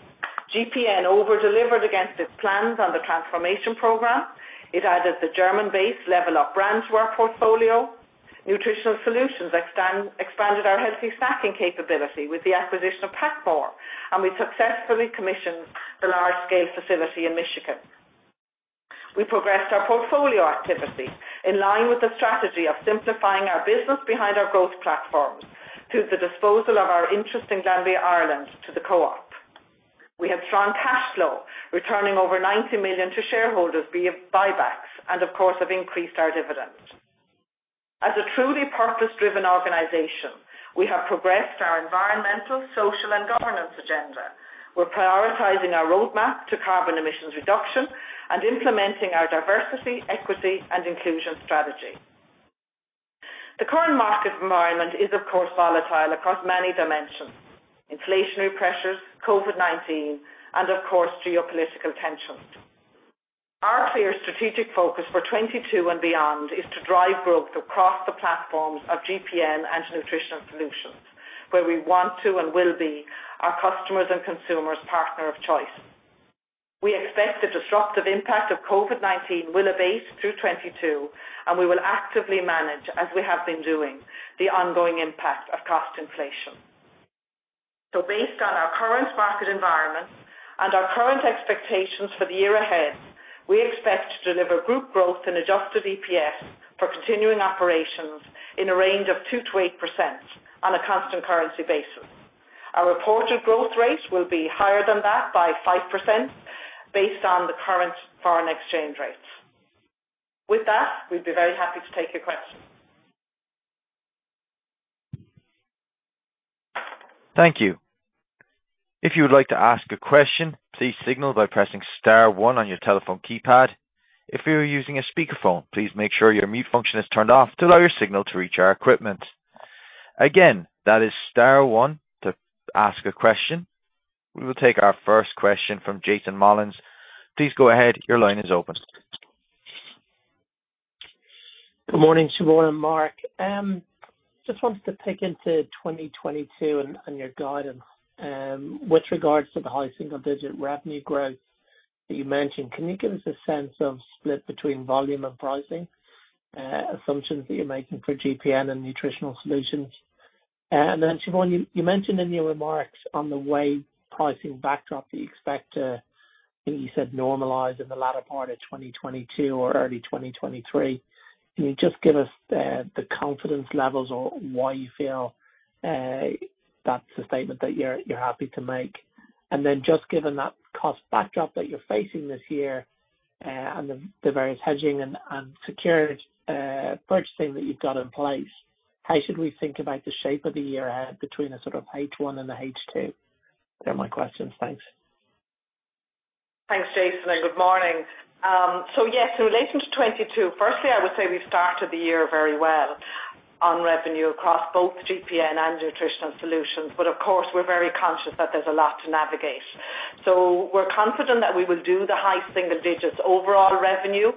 GPN over-delivered against its plans on the transformation program. It added the German-based LevelUp brands to our portfolio. Nutritional Solutions expanded our healthy snacking capability with the acquisition of PacMoore, and we successfully commissioned the large-scale facility in Michigan. We progressed our portfolio activity in line with the strategy of simplifying our business behind our growth platforms through the disposal of our interest in Glanbia Ireland to the co-op. We have strong cash flow, returning over 90 million to shareholders via buybacks, and of course have increased our dividends. As a truly purpose-driven organization, we have progressed our environmental, social, and governance agenda. We're prioritizing our roadmap to carbon emissions reduction and implementing our diversity, equity, and inclusion strategy. The current market environment is, of course, volatile across many dimensions, inflationary pressures, COVID-19, and of course, geopolitical tensions. Our clear strategic focus for 2022 and beyond is to drive growth across the platforms of GPN and Nutritional Solutions, where we want to and will be our customers and consumers partner of choice. We expect the disruptive impact of COVID-19 will abate through 2022, and we will actively manage, as we have been doing, the ongoing impact of cost inflation. Based on our current market environment and our current expectations for the year ahead, we expect to deliver group growth in adjusted EPS for continuing operations in a range of 2%-8% on a constant currency basis. Our reported growth rate will be higher than that by 5% based on the current foreign exchange rates. With that, we'd be very happy to take your questions. Thank you. If you would like to ask a question, please signal by pressing Star one on your telephone keypad. If you are using a speakerphone, please make sure your mute function is turned off to allow your signal to reach our equipment. Again, that is Star one to ask a question. We will take our first question from Jason Molins. Please go ahead. Your line is open. Good morning, Siobhán and Mark. Just wanted to pick into 2022 and your guidance with regards to the high single-digit revenue growth that you mentioned. Can you give us a sense of split between volume and pricing assumptions that you're making for GPN and Nutritional Solutions? Then Siobhán, you mentioned in your remarks on the whey pricing backdrop that you expect to, I think you said, normalize in the latter part of 2022 or early 2023. Can you just give us the confidence levels on why you feel that's a statement that you're happy to make? Just given that cost backdrop that you're facing this year, and the various hedging and secured purchasing that you've got in place, how should we think about the shape of the year ahead between the sort of H1 and the H2? They're my questions. Thanks. Thanks, Jason, and good morning. Yes, in relation to 2022, firstly, I would say we Started the year very well on revenue across both GPN and Nutritional Solutions. Of course, we're very conscious that there's a lot to navigate. We're confident that we will do the high single digits% overall revenue,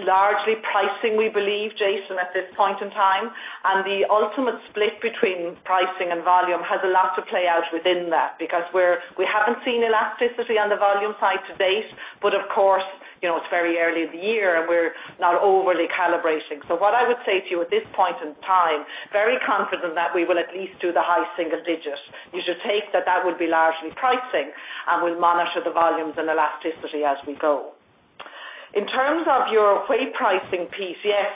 largely pricing, we believe, Jason, at this point in time, and the ultimate split between pricing and volume has a lot to play out within that because we haven't seen elasticity on the volume side to date, but of course, you know, it's very early in the year, and we're not overly calibrating. What I would say to you at this point in time, very confident that we will at least do the high single digits%. You should take that would be largely pricing, and we'll monitor the volumes and elasticity as we go. In terms of your whey pricing piece, yes,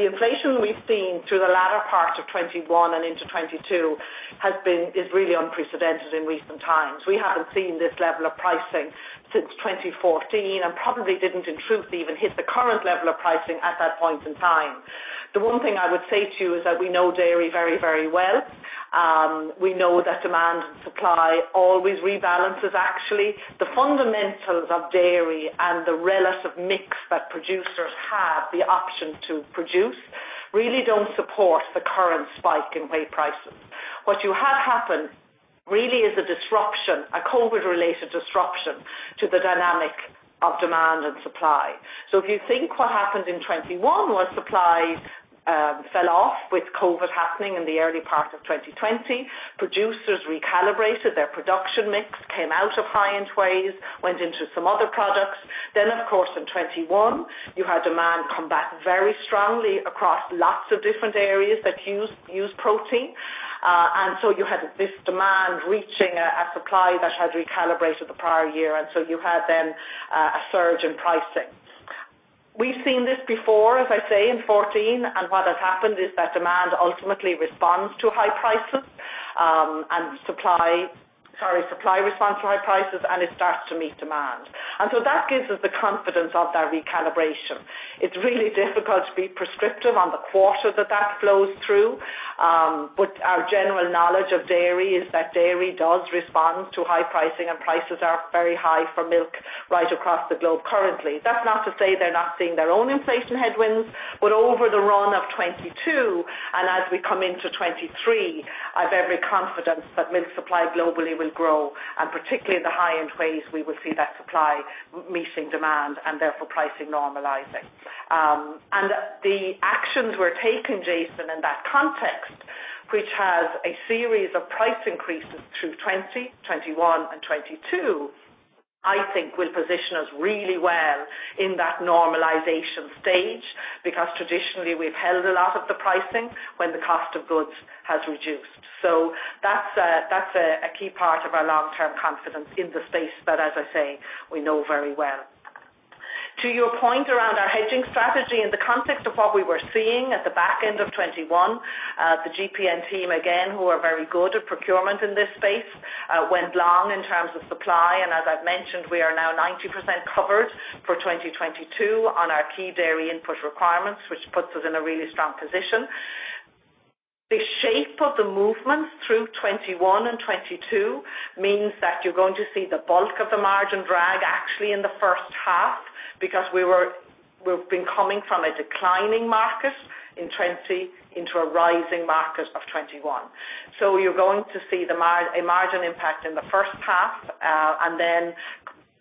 the inflation we've seen through the latter parts of 2021 and into 2022 has been, is really unprecedented in recent times. We haven't seen this level of pricing since 2014 and probably didn't, in truth, even hit the current level of pricing at that point in time. The one thing I would say to you is that we know dairy very, very well. We know that demand and supply always rebalances, actually. The fundamentals of dairy and the relative mix that producers have the option to produce really don't support the current spike in whey prices. What has happened really is a disruption, a COVID-related disruption to the dynamic of demand and supply. If you think what happened in 2021 was supply fell off with COVID happening in the early part of 2020. Producers recalibrated their production mix, came out of high-end wheys, went into some other products. Of course, in 2021, you had demand come back very strongly across lots of different areas that use protein. You had this demand reaching a supply that had recalibrated the prior year, and you had a surge in pricing. We've seen this before, as I say, in 2014, and what has happened is that demand ultimately responds to high prices, and supply responds to high prices, and it Starts to meet demand. That gives us the confidence of that recalibration. It's really difficult to be prescriptive on the quarter that that flows through, but our general knowledge of dairy is that dairy does respond to high pricing, and prices are very high for milk right across the globe currently. That's not to say they're not seeing their own inflation headwinds, but over the run of 2022, and as we come into 2023, I've every confidence that milk supply globally will grow, and particularly in the high-end wheys, we will see that supply meeting demand and therefore pricing normalizing. The actions we're taking, Jason, in that context, which has a series of price increases through 2020, 2021 and 2022, I think will position us really well in that normalization stage because traditionally we've held a lot of the pricing when the cost of goods has reduced. That's a key part of our long-term confidence in the space that, as I say, we know very well. To your point around our hedging strategy, in the context of what we were seeing at the back end of 2021, the GPN team, again, who are very good at procurement in this space, went long in terms of supply, and as I've mentioned, we are now 90% covered for 2022 on our key dairy input requirements, which puts us in a really strong position. The shape of the movements through 2021 and 2022 means that you're going to see the bulk of the margin drag actually in the first half because we've been coming from a declining market in 2020 into a rising market of 2021. You're going to see a margin impact in the first half, and then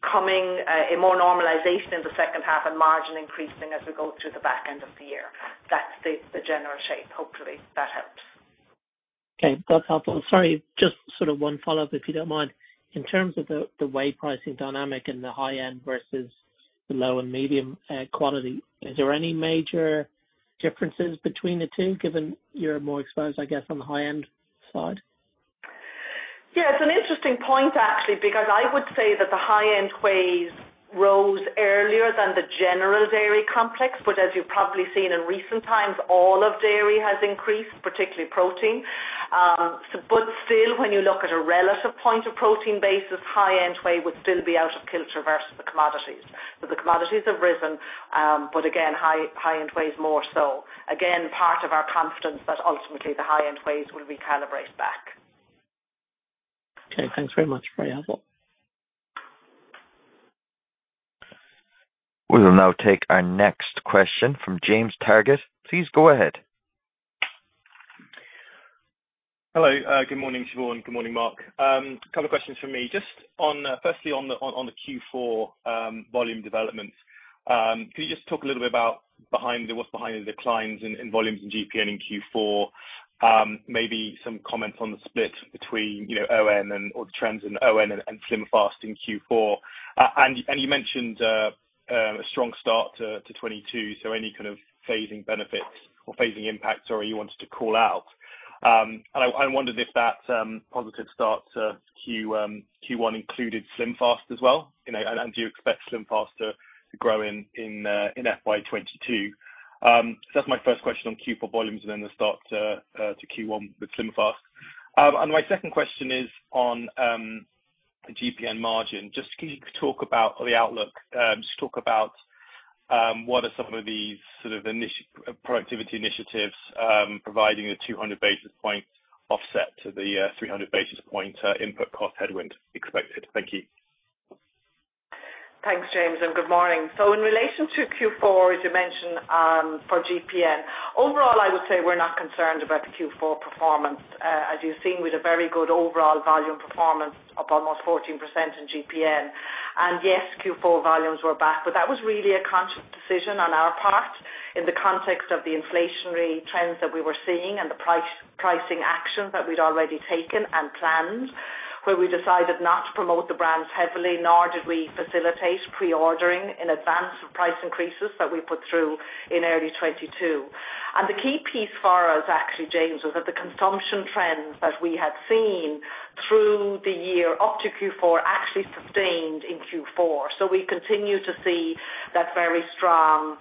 coming a more normalization in the H2 and margin increasing as we go through the back end of the year. That's the general shape. Hopefully that helped. Okay. That's helpful. Sorry, just sort of one follow-up, if you don't mind. In terms of the whey pricing dynamic and the high end versus the low and medium quality, is there any major differences between the two, given you're more exposed, I guess, on the high-end side? Yeah, it's an interesting point actually, because I would say that the high-end wheys rose earlier than the general dairy complex, but as you've probably seen in recent times, all of dairy has increased, particularly protein. But still, when you look at a relative point of protein basis, high-end whey would still be out of kilter versus the commodities. The commodities have risen, but again, high-end whey is more so. Again, part of our confidence that ultimately the high-end wheys will recalibrate back. Okay, thanks very much for that. We will now take our next question from James Targett. Please go ahead. Hello. Good morning, Siobhan. Good morning, Mark. A couple questions from me. Just on, firstly, on the Q4 volume developments, can you just talk a little bit about what's behind the declines in volumes in GPN in Q4? Maybe some comments on the split between, you know, ON or the trends in ON and SlimFast in Q4. You mentioned a strong Start to 2022, so any kind of phasing benefits or phasing impacts you wanted to call out. I wondered if that positive Start to Q1 included SlimFast as well, you know, and do you expect SlimFast to grow in FY 2022? That's my first question on Q4 volumes and then the Start to Q1 with SlimFast. My second question is on the GPN margin. Just can you talk about the outlook, just talk about what are some of these sort of productivity initiatives providing a 200 basis point offset to the 300 basis point input cost headwind expected? Thank you. Thanks, James, and good morning. In relation to Q4, as you mentioned, for GPN, overall, I would say we're not concerned about the Q4 performance. As you've seen, we had a very good overall volume performance, up almost 14% in GPN. Yes, Q4 volumes were back, but that was really a conscious decision on our part in the context of the inflationary trends that we were seeing and the pricing actions that we'd already taken and planned, where we decided not to promote the brands heavily, nor did we facilitate pre-ordering in advance of price increases that we put through in early 2022. The key piece for us actually, James, was that the consumption trends that we had seen through the year up to Q4 actually sustained in Q4. We continue to see that very strong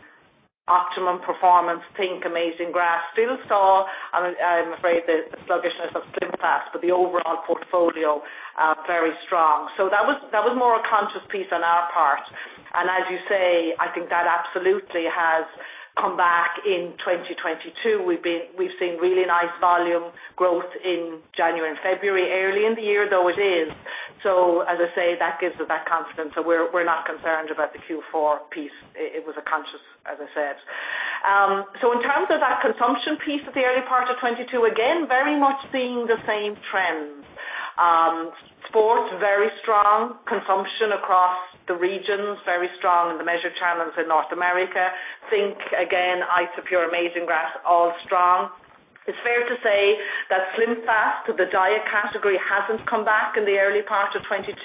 Optimum performance. Think Amazing Grass. still saw, I'm afraid, the sluggishness of SlimFast, but the overall portfolio very strong. That was more a conscious piece on our part. As you say, I think that absolutely has come back in 2022. We've seen really nice volume growth in January and February, early in the year though it is. As I say, that gives us that confidence that we're not concerned about the Q4 piece. It was a conscious, as I said. In terms of that consumption piece at the early part of 2022, again, very much seeing the same trends. Sports very strong. Consumption across the regions very strong in the measured channels in North America. think! again, Isopure, Amazing Grass, all strong. It's fair to say that SlimFast, the diet category, hasn't come back in the early part of 2022,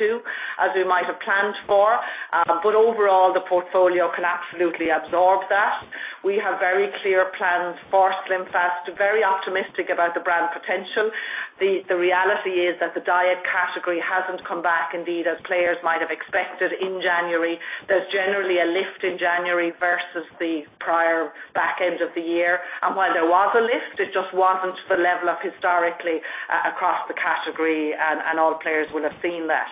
as we might have planned for. But overall, the portfolio can absolutely absorb that. We have very clear plans for SlimFast. Very optimistic about the brand potential. The reality is that the diet category hasn't come back indeed as players might have expected in January. There's generally a lift in January versus the prior back end of the year. While there was a lift, it just wasn't up to the level historically across the category, and all players will have seen that.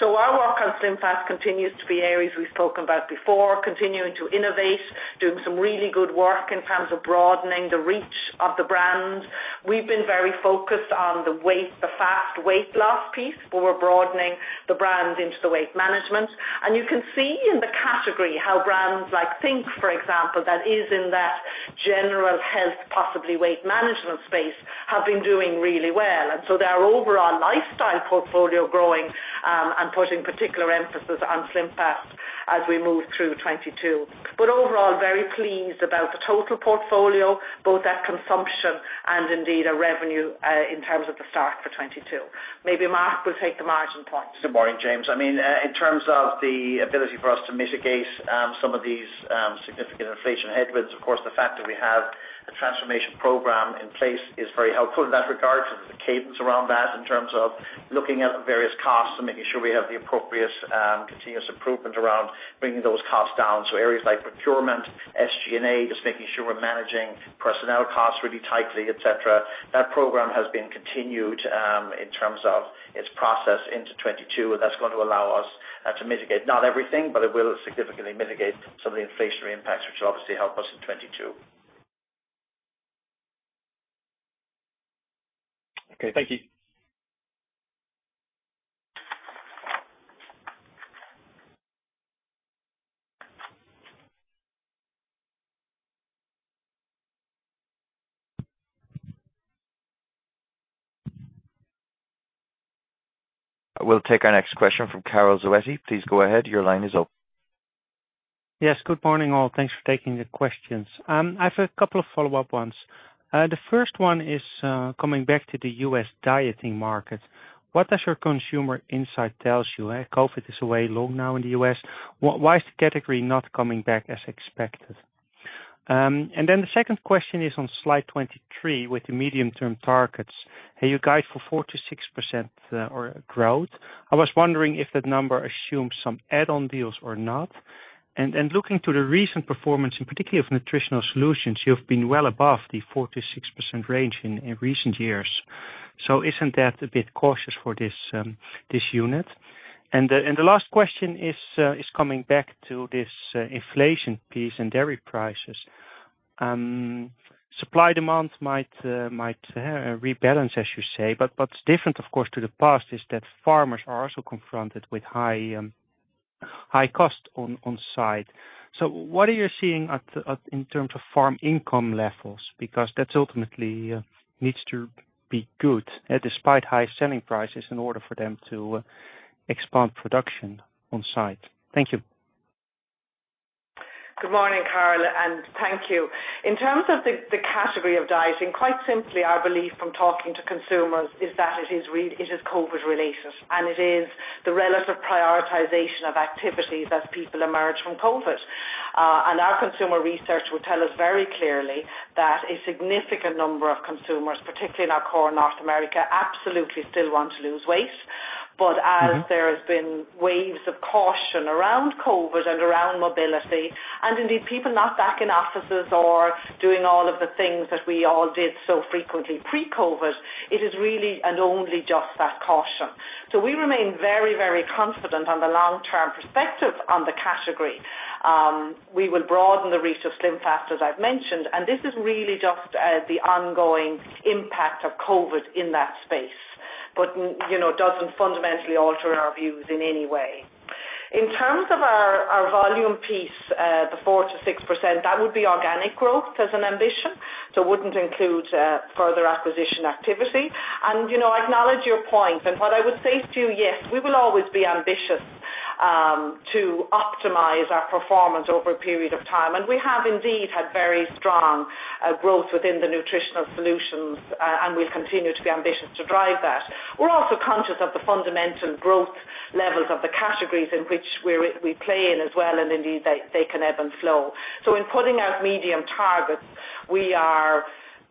Our work on SlimFast continues to be areas we've spoken about before, continuing to innovate, doing some really good work in terms of broadening the reach of the brand. We've been very focused on the weight, the fast weight loss piece, but we're broadening the brand into the weight management. You can see in the category how brands like think!, for example, that is in that general health, possibly weight management space, have been doing really well. Their overall lifestyle portfolio growing, and putting particular emphasis on SlimFast as we move through 2022. Overall, very pleased about the total portfolio, both at consumption and indeed our revenue, in terms of the Start for 2022. Maybe Mark will take the margin point. Good morning, James. I mean, in terms of the ability for us to mitigate some of these significant inflation headwinds, of course, the fact that we have a transformation program in place is very helpful in that regard. There's a cadence around that in terms of looking at various costs and making sure we have the appropriate continuous improvement around bringing those costs down, areas like procurement, SG&A, just making sure we're managing personnel costs really tightly, et cetera. That program has been continued in terms of its process into 2022, and that's going to allow us to mitigate not everything, but it will significantly mitigate some of the inflationary impacts, which will obviously help us in 2022. Okay. Thank you. We'll take our next question from Karel Zoete. Please go ahead. Your line is open. Yes. Good morning, all. Thanks for taking the questions. I have a couple of follow-up ones. The first one is coming back to the U.S. dieting market. What does your consumer insight tells you? COVID is way low now in the U.S. Why is the category not coming back as expected? The second question is on slide 23 with the medium-term targets. Hey, you guide for 4%-6% or growth. I was wondering if that number assumes some add-on deals or not. Looking to the recent performance, and particularly of Nutritional Solutions, you've been well above the 4%-6% range in recent years. Isn't that a bit cautious for this unit? The last question is coming back to this inflation piece and dairy prices. Supply-demand might rebalance, as you say, but what's different, of course, to the past is that farmers are also confronted with high cost on site. So what are you seeing in terms of farm income levels? Because that ultimately needs to be good, despite high selling prices, in order for them to expand production on site. Thank you. Good morning, Karel, and thank you. In terms of the category of dieting, quite simply, our belief from talking to consumers is that it is COVID related, and it is the relative prioritization of activities as people emerge from COVID. Our consumer research would tell us very clearly that a significant number of consumers, particularly in our core North America, absolutely still want to lose weight. But as there has been waves of caution around COVID and around mobility, and indeed people not back in offices or doing all of the things that we all did so frequently pre-COVID, it is really and only just that caution. We remain very, very confident on the long term perspective on the category. We will broaden the reach of SlimFast, as I've mentioned, and this is really just the ongoing impact of COVID in that space. You know, it doesn't fundamentally alter our views in any way. In terms of our volume piece, the 4%-6%, that would be organic growth as an ambition, so wouldn't include further acquisition activity. You know, I acknowledge your point. What I would say to you, yes, we will always be ambitious to optimize our performance over a period of time. We have indeed had very strong growth within the Nutritional Solutions, and we'll continue to be ambitious to drive that. We're also conscious of the fundamental growth levels of the categories in which we play in as well. Indeed, they can ebb and flow. In putting out medium targets, we are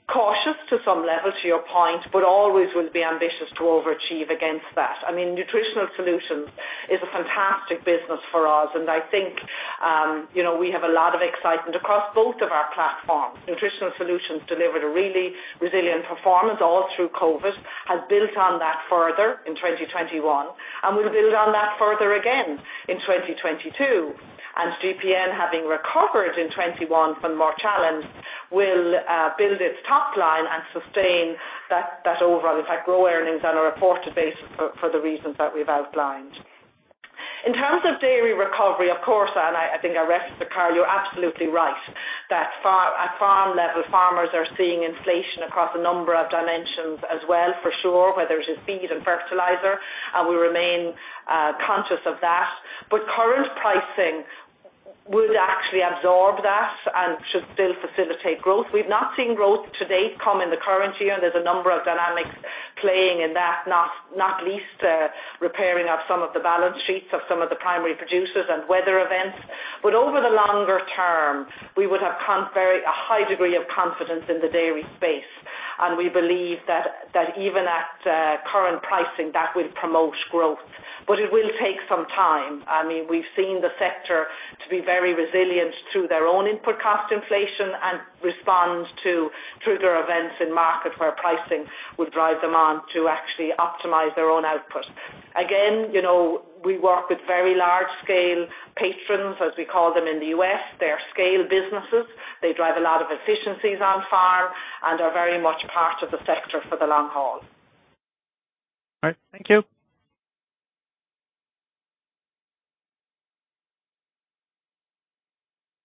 cautious to some level, to your point, but always will be ambitious to overachieve against that. I mean, Nutritional Solutions is a fantastic business for us, and I think, you know, we have a lot of excitement across both of our platforms. Nutritional Solutions delivered a really resilient performance all through COVID, has built on that further in 2021, and will build on that further again in 2022. GPN, having recovered in 2021 from more challenge, will build its top line and sustain that overall, in fact, grow earnings on a reported basis for the reasons that we've outlined. In terms of dairy recovery, of course, and I think, Ernesto, Karel, you're absolutely right that at farmgate level, farmers are seeing inflation across a number of dimensions as well for sure, whether it's in feed and fertilizer, and we remain conscious of that. Current pricing would actually absorb that and should still facilitate growth. We've not seen growth to date come in the current year, and there's a number of dynamics playing in that, not least, repairing of some of the balance sheets of some of the primary producers and weather events. Over the longer term, we would have a high degree of confidence in the dairy space. We believe that even at current pricing, that will promote growth. It will take some time. I mean, we've seen the sector to be very resilient through their own input cost inflation and respond to trigger events in market where pricing would drive demand to actually optimize their own output. Again, you know, we work with very large scale patrons, as we call them in the U.S. They are scale businesses. They drive a lot of efficiencies on farm and are very much part of the sector for the long haul. All right. Thank you.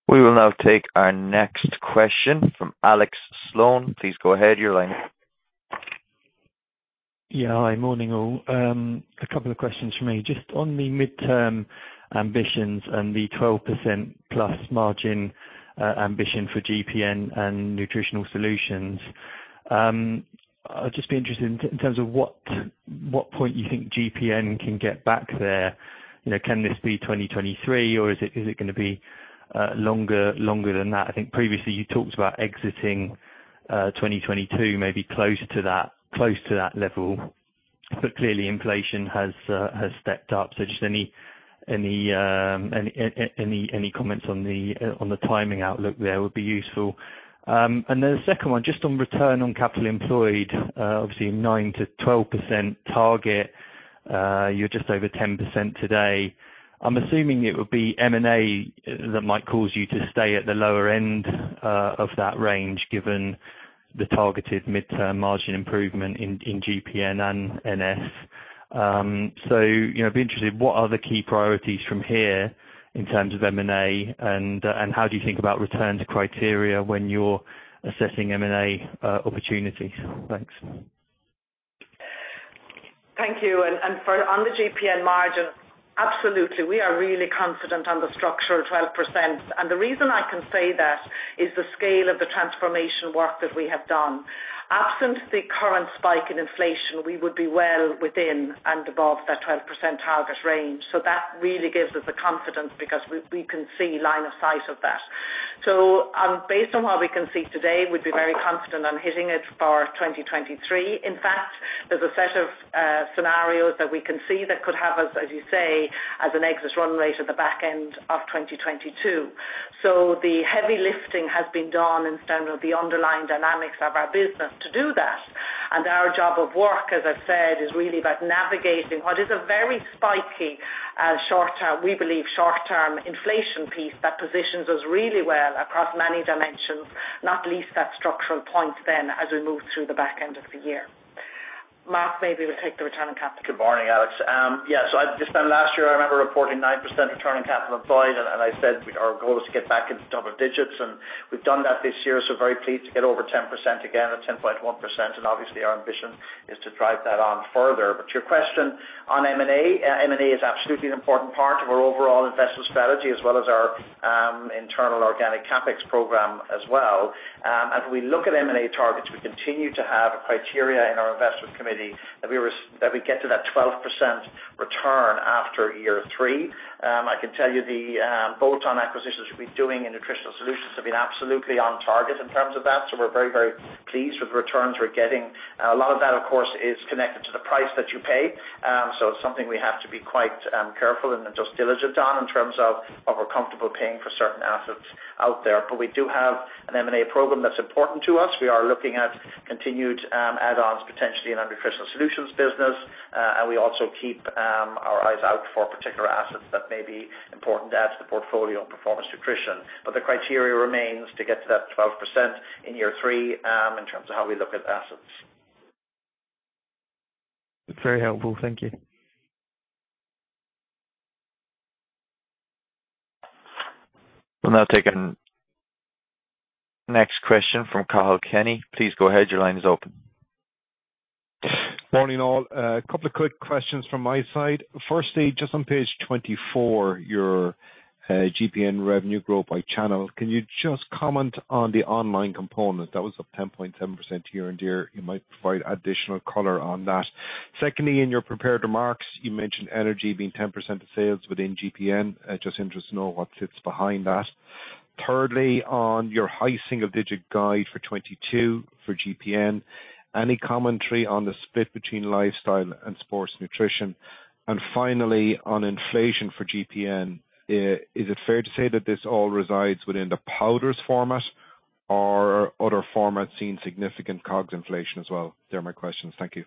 We will now take our next question from Alex Sloane. Please go ahead. You're in. Yeah. Hi. Morning, all. A couple of questions from me. Just on the mid-term ambitions and the 12%+ margin ambition for GPN and Nutritional Solutions, I'd just be interested in terms of what point you think GPN can get back there. You know, can this be 2023, or is it gonna be longer than that? I think previously you talked about exiting 2022, maybe closer to that, close to that level. Clearly inflation has stepped up. Just any comments on the timing outlook there would be useful. Then the second one, just on return on capital employed, obviously 9%-12% target. You're just over 10% today. I'm assuming it would be M&A that might cause you to stay at the lower end of that range, given the targeted midterm margin improvement in GPN and NS. So, you know, I'd be interested, what are the key priorities from here in terms of M&A and how do you think about return to criteria when you're assessing M&A opportunities? Thanks. Thank you. On the GPN margin, absolutely. We are really confident on the structural 12%. The reason I can say that is the scale of the transformation work that we have done. Absent the current spike in inflation, we would be well within and above that 12% target range. That really gives us the confidence because we can see line of sight of that. Based on what we can see today, we'd be very confident on hitting it for 2023. In fact, there's a set of scenarios that we can see that could have us, as you say, as an exit run rate at the back end of 2022. The heavy lifting has been done in terms of the underlying dynamics of our business to do that. Our job of work, as I've said, is really about navigating what is a very spiky, short-term, we believe, short-term inflation piece that positions us really well across many dimensions, not least that structural point then as we move through the back end of the year. Mark maybe will take the return on capital. Good morning, Alex. Just then last year I remember reporting 9% return on capital employed, and I said our goal is to get back into double digits, and we've done that this year. Very pleased to get over 10% again at 10.1%, and obviously our ambition is to drive that on further. Your question on M&A, M&A is absolutely an important part of our overall investment strategy as well as our internal organic CapEx program as well. As we look at M&A targets, we continue to have a criteria in our investment committee that we get to that 12% return after year three. I can tell you the both on acquisitions we've been doing in Nutritional Solutions have been absolutely on target in terms of that. We're very, very pleased with the returns we're getting. A lot of that, of course, is connected to the price that you pay. It's something we have to be quite careful and then just diligent on in terms of we're comfortable paying for certain assets out there. We do have an M&A program that's important to us. We are looking at- Continued add-ons potentially in our Nutritional Solutions business. We also keep our eyes out for particular assets that may be important to add to the portfolio in Performance Nutrition. The criteria remains to get to that 12% in year three, in terms of how we look at assets. Very helpful. Thank you. We'll now take our next question from Cathal Kenny. Please go ahead. Your line is open. Morning, all. A couple of quick questions from my side. Firstly, just on page 24, your GPN revenue growth by channel. Can you just comment on the online component? That was up 10.7% year-over-year. You might provide additional color on that. Secondly, in your prepared remarks, you mentioned energy being 10% of sales within GPN. I'm just interested to know what sits behind that. Thirdly, on your high single-digit guide for 2022 for GPN, any commentary on the split between lifestyle and sports nutrition? Finally, on inflation for GPN, is it fair to say that this all resides within the powders format or other formats seeing significant COGS inflation as well? They're my questions. Thank you.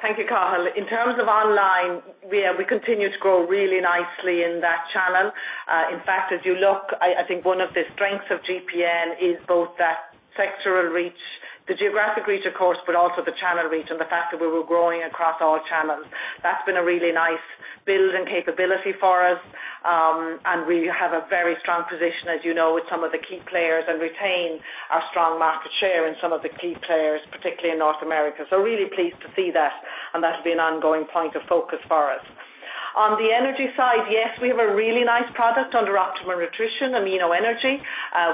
Thank you, Cathal. In terms of online, yeah, we continue to grow really nicely in that channel. In fact, as you look, I think one of the strengths of GPN is both that sectoral reach, the geographic reach, of course, but also the channel reach and the fact that we were growing across all channels. That's been a really nice build and capability for us. And we have a very strong position, as you know, with some of the key players and retain our strong market share in some of the key players, particularly in North America. So really pleased to see that, and that'll be an ongoing point of focus for us. On the energy side, yes, we have a really nice product under Optimum Nutrition, Amino Energy.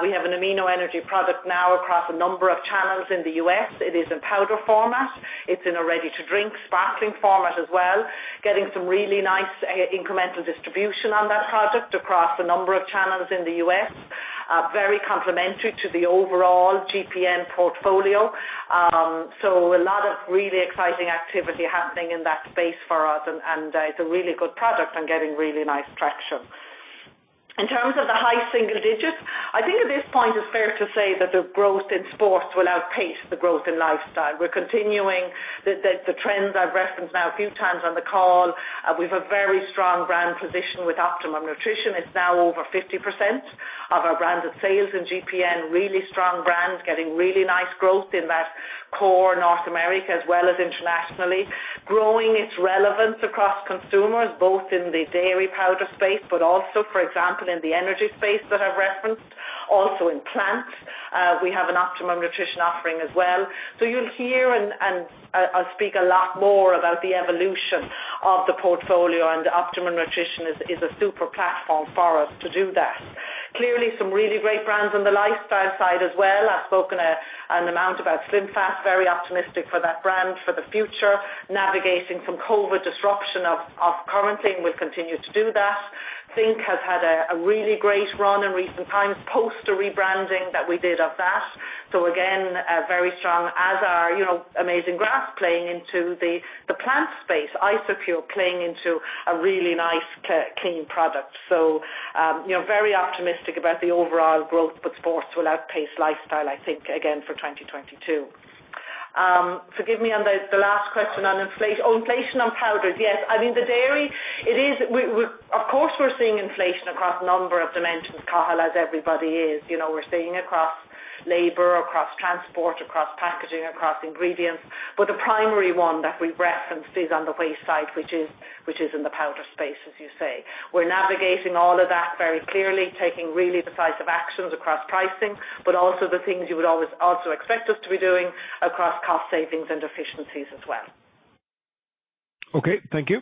We have an Amino Energy product now across a number of channels in the U.S. It is in powder format. It's in a ready-to-drink sparkling format as well. Getting some really nice incremental distribution on that product across a number of channels in the U.S. Very complementary to the overall GPN portfolio. So a lot of really exciting activity happening in that space for us, and it's a really good product and getting really nice traction. In terms of the high single digits%, I think at this point it's fair to say that the growth in sports will outpace the growth in lifestyle. We're continuing the trends I've referenced now a few times on the call. We've a very strong brand position with Optimum Nutrition. It's now over 50% of our branded sales in GPN. Really strong brand, getting really nice growth in that core North America as well as internationally. Growing its relevance across consumers, both in the dairy powder space, but also, for example, in the energy space that I've referenced. Also in plant, we have an Optimum Nutrition offering as well. You'll hear and I'll speak a lot more about the evolution of the portfolio, and Optimum Nutrition is a super platform for us to do that. Clearly some really great brands on the lifestyle side as well. I've spoken an amount about SlimFast, very optimistic for that brand for the future, navigating some COVID disruption currently, and we'll continue to do that. think! has had a really great run in recent times, post the rebranding that we did of that. Again, very strong as our, you know, Amazing Grass playing into the plant space. Isopure playing into a really nice clean product. You know, very optimistic about the overall growth, but sports will outpace lifestyle, I think, again for 2022. Forgive me on the last question on inflation on powders. Yes. I mean, the dairy it is. Of course, we're seeing inflation across a number of dimensions, Cathal, as everybody is. You know, we're seeing across labor, across transport, across packaging, across ingredients. But the primary one that we referenced is on the whey side, which is in the powder space, as you say. We're navigating all of that very clearly, taking really decisive actions across pricing, but also the things you would always also expect us to be doing across cost savings and efficiencies as well. Okay, thank you.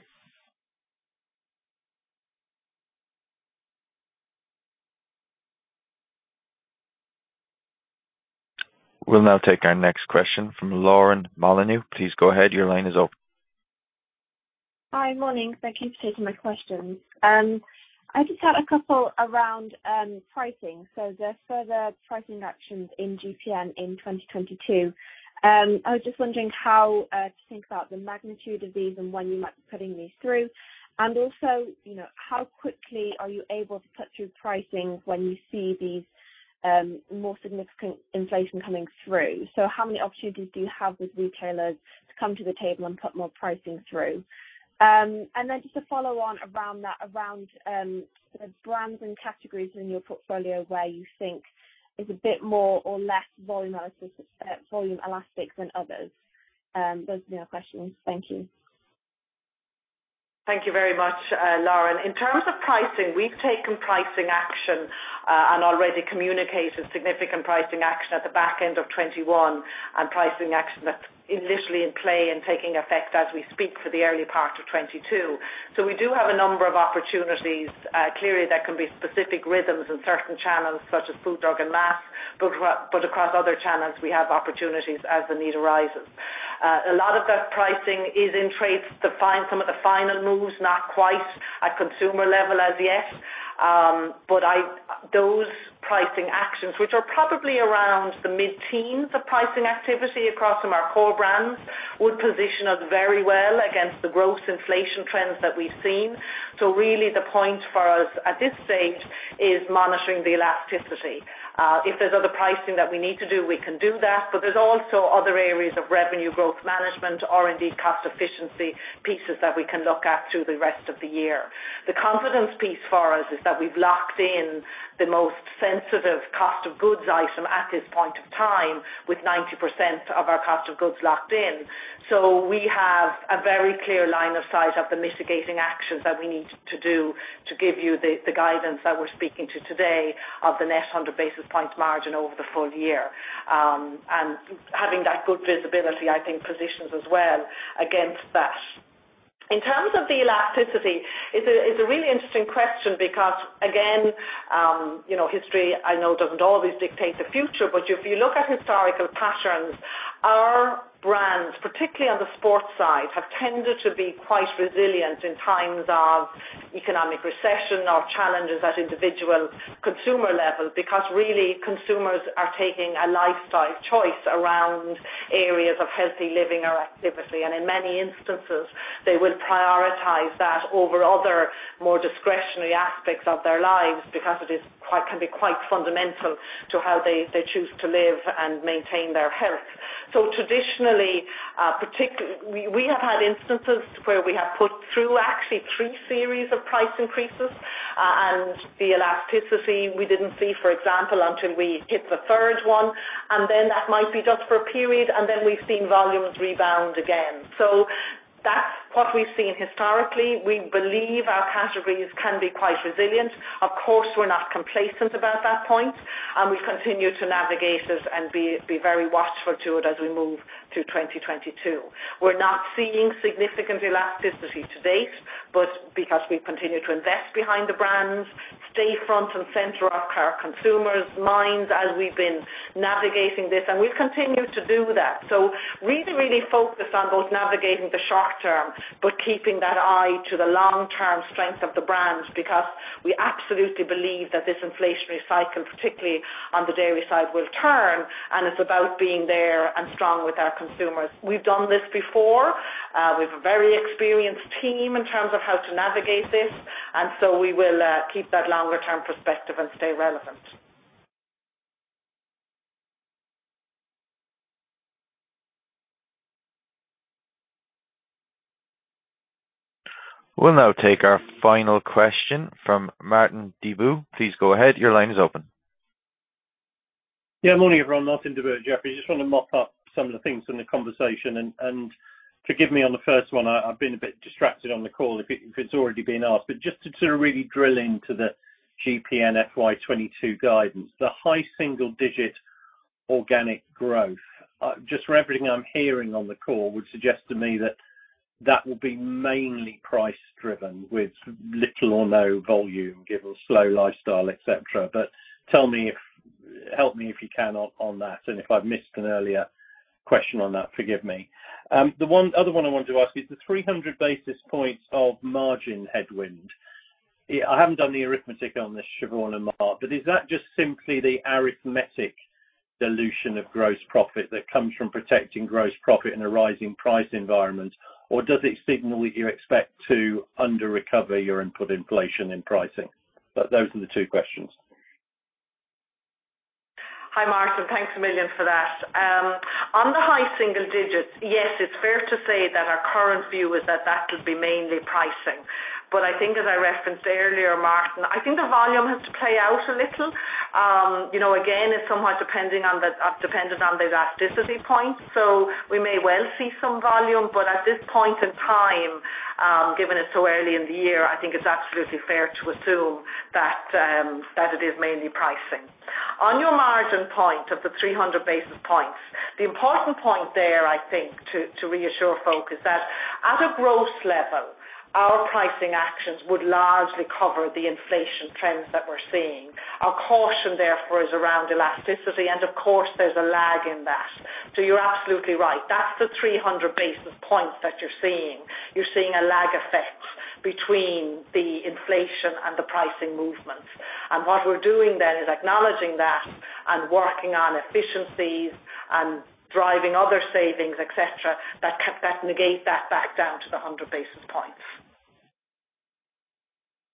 We'll now take our next question from Lauren Molyneux. Please go ahead. Your line is open. Hi. Morning. Thank you for taking my questions. I just had a couple around pricing, so the further pricing actions in GPN in 2022. I was just wondering how to think about the magnitude of these and when you might be putting these through. Also, you know, how quickly are you able to put through pricing when you see these more significant inflation coming through? How many opportunities do you have with retailers to come to the table and put more pricing through? Then just to follow on around that, around the brands and categories in your portfolio where you think is a bit more or less volume elastic than others. Those are my questions. Thank you. Thank you very much, Lauren. In terms of pricing, we've taken pricing action, and already communicated significant pricing action at the back end of 2021, and pricing action that's initially in play and taking effect as we speak for the early part of 2022. We do have a number of opportunities. Clearly there can be specific rhythms in certain channels such as food, drug, and mass, but across other channels we have opportunities as the need arises. A lot of that pricing is in trades to find some of the final moves, not quite at consumer level as yet. Those pricing actions, which are probably around the mid-teen, the pricing activity across some of our core brands, would position us very well against the growth inflation trends that we've seen. Really the point for us at this stage is monitoring the elasticity. If there's other pricing that we need to do, we can do that, but there's also other areas of revenue growth management or indeed cost efficiency pieces that we can look at through the rest of the year. The confidence piece for us is that we've locked in the most sensitive cost of goods item at this point of time, with 90% of our cost of goods locked in. We have a very clear line of sight of the mitigating actions that we need to do to give you the guidance that we're speaking to today of the net 100 basis points margin over the full year. And having that good visibility, I think positions us well against that. In terms of the elasticity, it's a really interesting question because again, you know, history I know doesn't always dictate the future, but if you look at historical patterns, our brands, particularly on the sports side, have tended to be quite resilient in times of economic recession or challenges at individual consumer level. Because really, consumers are taking a lifestyle choice around areas of healthy living or activity. In many instances, they will prioritize that over other more discretionary aspects of their lives because it can be quite fundamental to how they choose to live and maintain their health. Traditionally, we have had instances where we have put through actually three series of price increases, and the elasticity we didn't see, for example, until we hit the third one, and then that might be just for a period, and then we've seen volumes rebound again. That's what we've seen historically. We believe our categories can be quite resilient. Of course, we're not complacent about that point, and we continue to navigate it and be very watchful to it as we move through 2022. We're not seeing significant elasticity to date, but because we continue to invest behind the brands, stay front and center of our consumers' minds as we've been navigating this, and we've continued to do that. Really, really focused on both navigating the short term, but keeping that eye to the long-term strength of the brands because we absolutely believe that this inflationary cycle, particularly on the dairy side, will turn, and it's about being there and strong with our consumers. We've done this before. We've a very experienced team in terms of how to navigate this, and so we will keep that longer term perspective and stay relevant. We'll now take our final question from Martin Deboo. Please go ahead. Your line is open. Morning, everyone. Not to be rude, Jeffrey, I just want to mop up some of the things in the conversation. Forgive me on the first one, I've been a bit distracted on the call if it's already been asked, but just to sort of really drill into the GPN FY 2022 guidance. The high single digit organic growth, just from everything I'm hearing on the call would suggest to me that that will be mainly price driven with little or no volume given slow lifestyle, etc. Tell me if you can help me on that. If I've missed an earlier question on that, forgive me. The other one I wanted to ask is the 300 basis points of margin headwind. I haven't done the arithmetic on this, Siobhán and Mark, but is that just simply the arithmetic dilution of gross profit that comes from protecting gross profit in a rising price environment? Or does it signal what you expect to under-recover your input inflation in pricing? Those are the two questions. Hi, Martin. Thanks a million for that. On the high single digits, yes, it's fair to say that our current view is that that'll be mainly pricing. I think as I referenced earlier, Martin, I think the volume has to play out a little. Again, it's somewhat dependent on the elasticity point. We may well see some volume, but at this point in time, given it's so early in the year, I think it's absolutely fair to assume that that it is mainly pricing. On your margin point of the 300 basis points, the important point there, I think, to reassure folk is that at a gross level, our pricing actions would largely cover the inflation trends that we're seeing. Our caution therefore is around elasticity, and of course there's a lag in that. You're absolutely right. That's the 300 basis points that you're seeing. You're seeing a lag effect between the inflation and the pricing movements. What we're doing then is acknowledging that and working on efficiencies and driving other savings, et cetera, that negate that back down to the 100 basis points.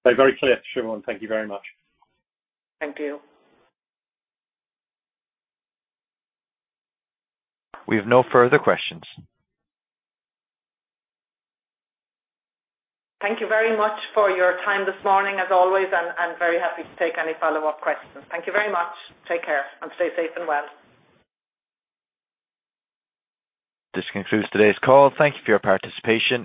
Very clear, Siobhán. Thank you very much. Thank you. We have no further questions. Thank you very much for your time this morning, as always, and very happy to take any follow-up questions. Thank you very much. Take care, and stay safe and well. This concludes today's call. Thank you for your participation.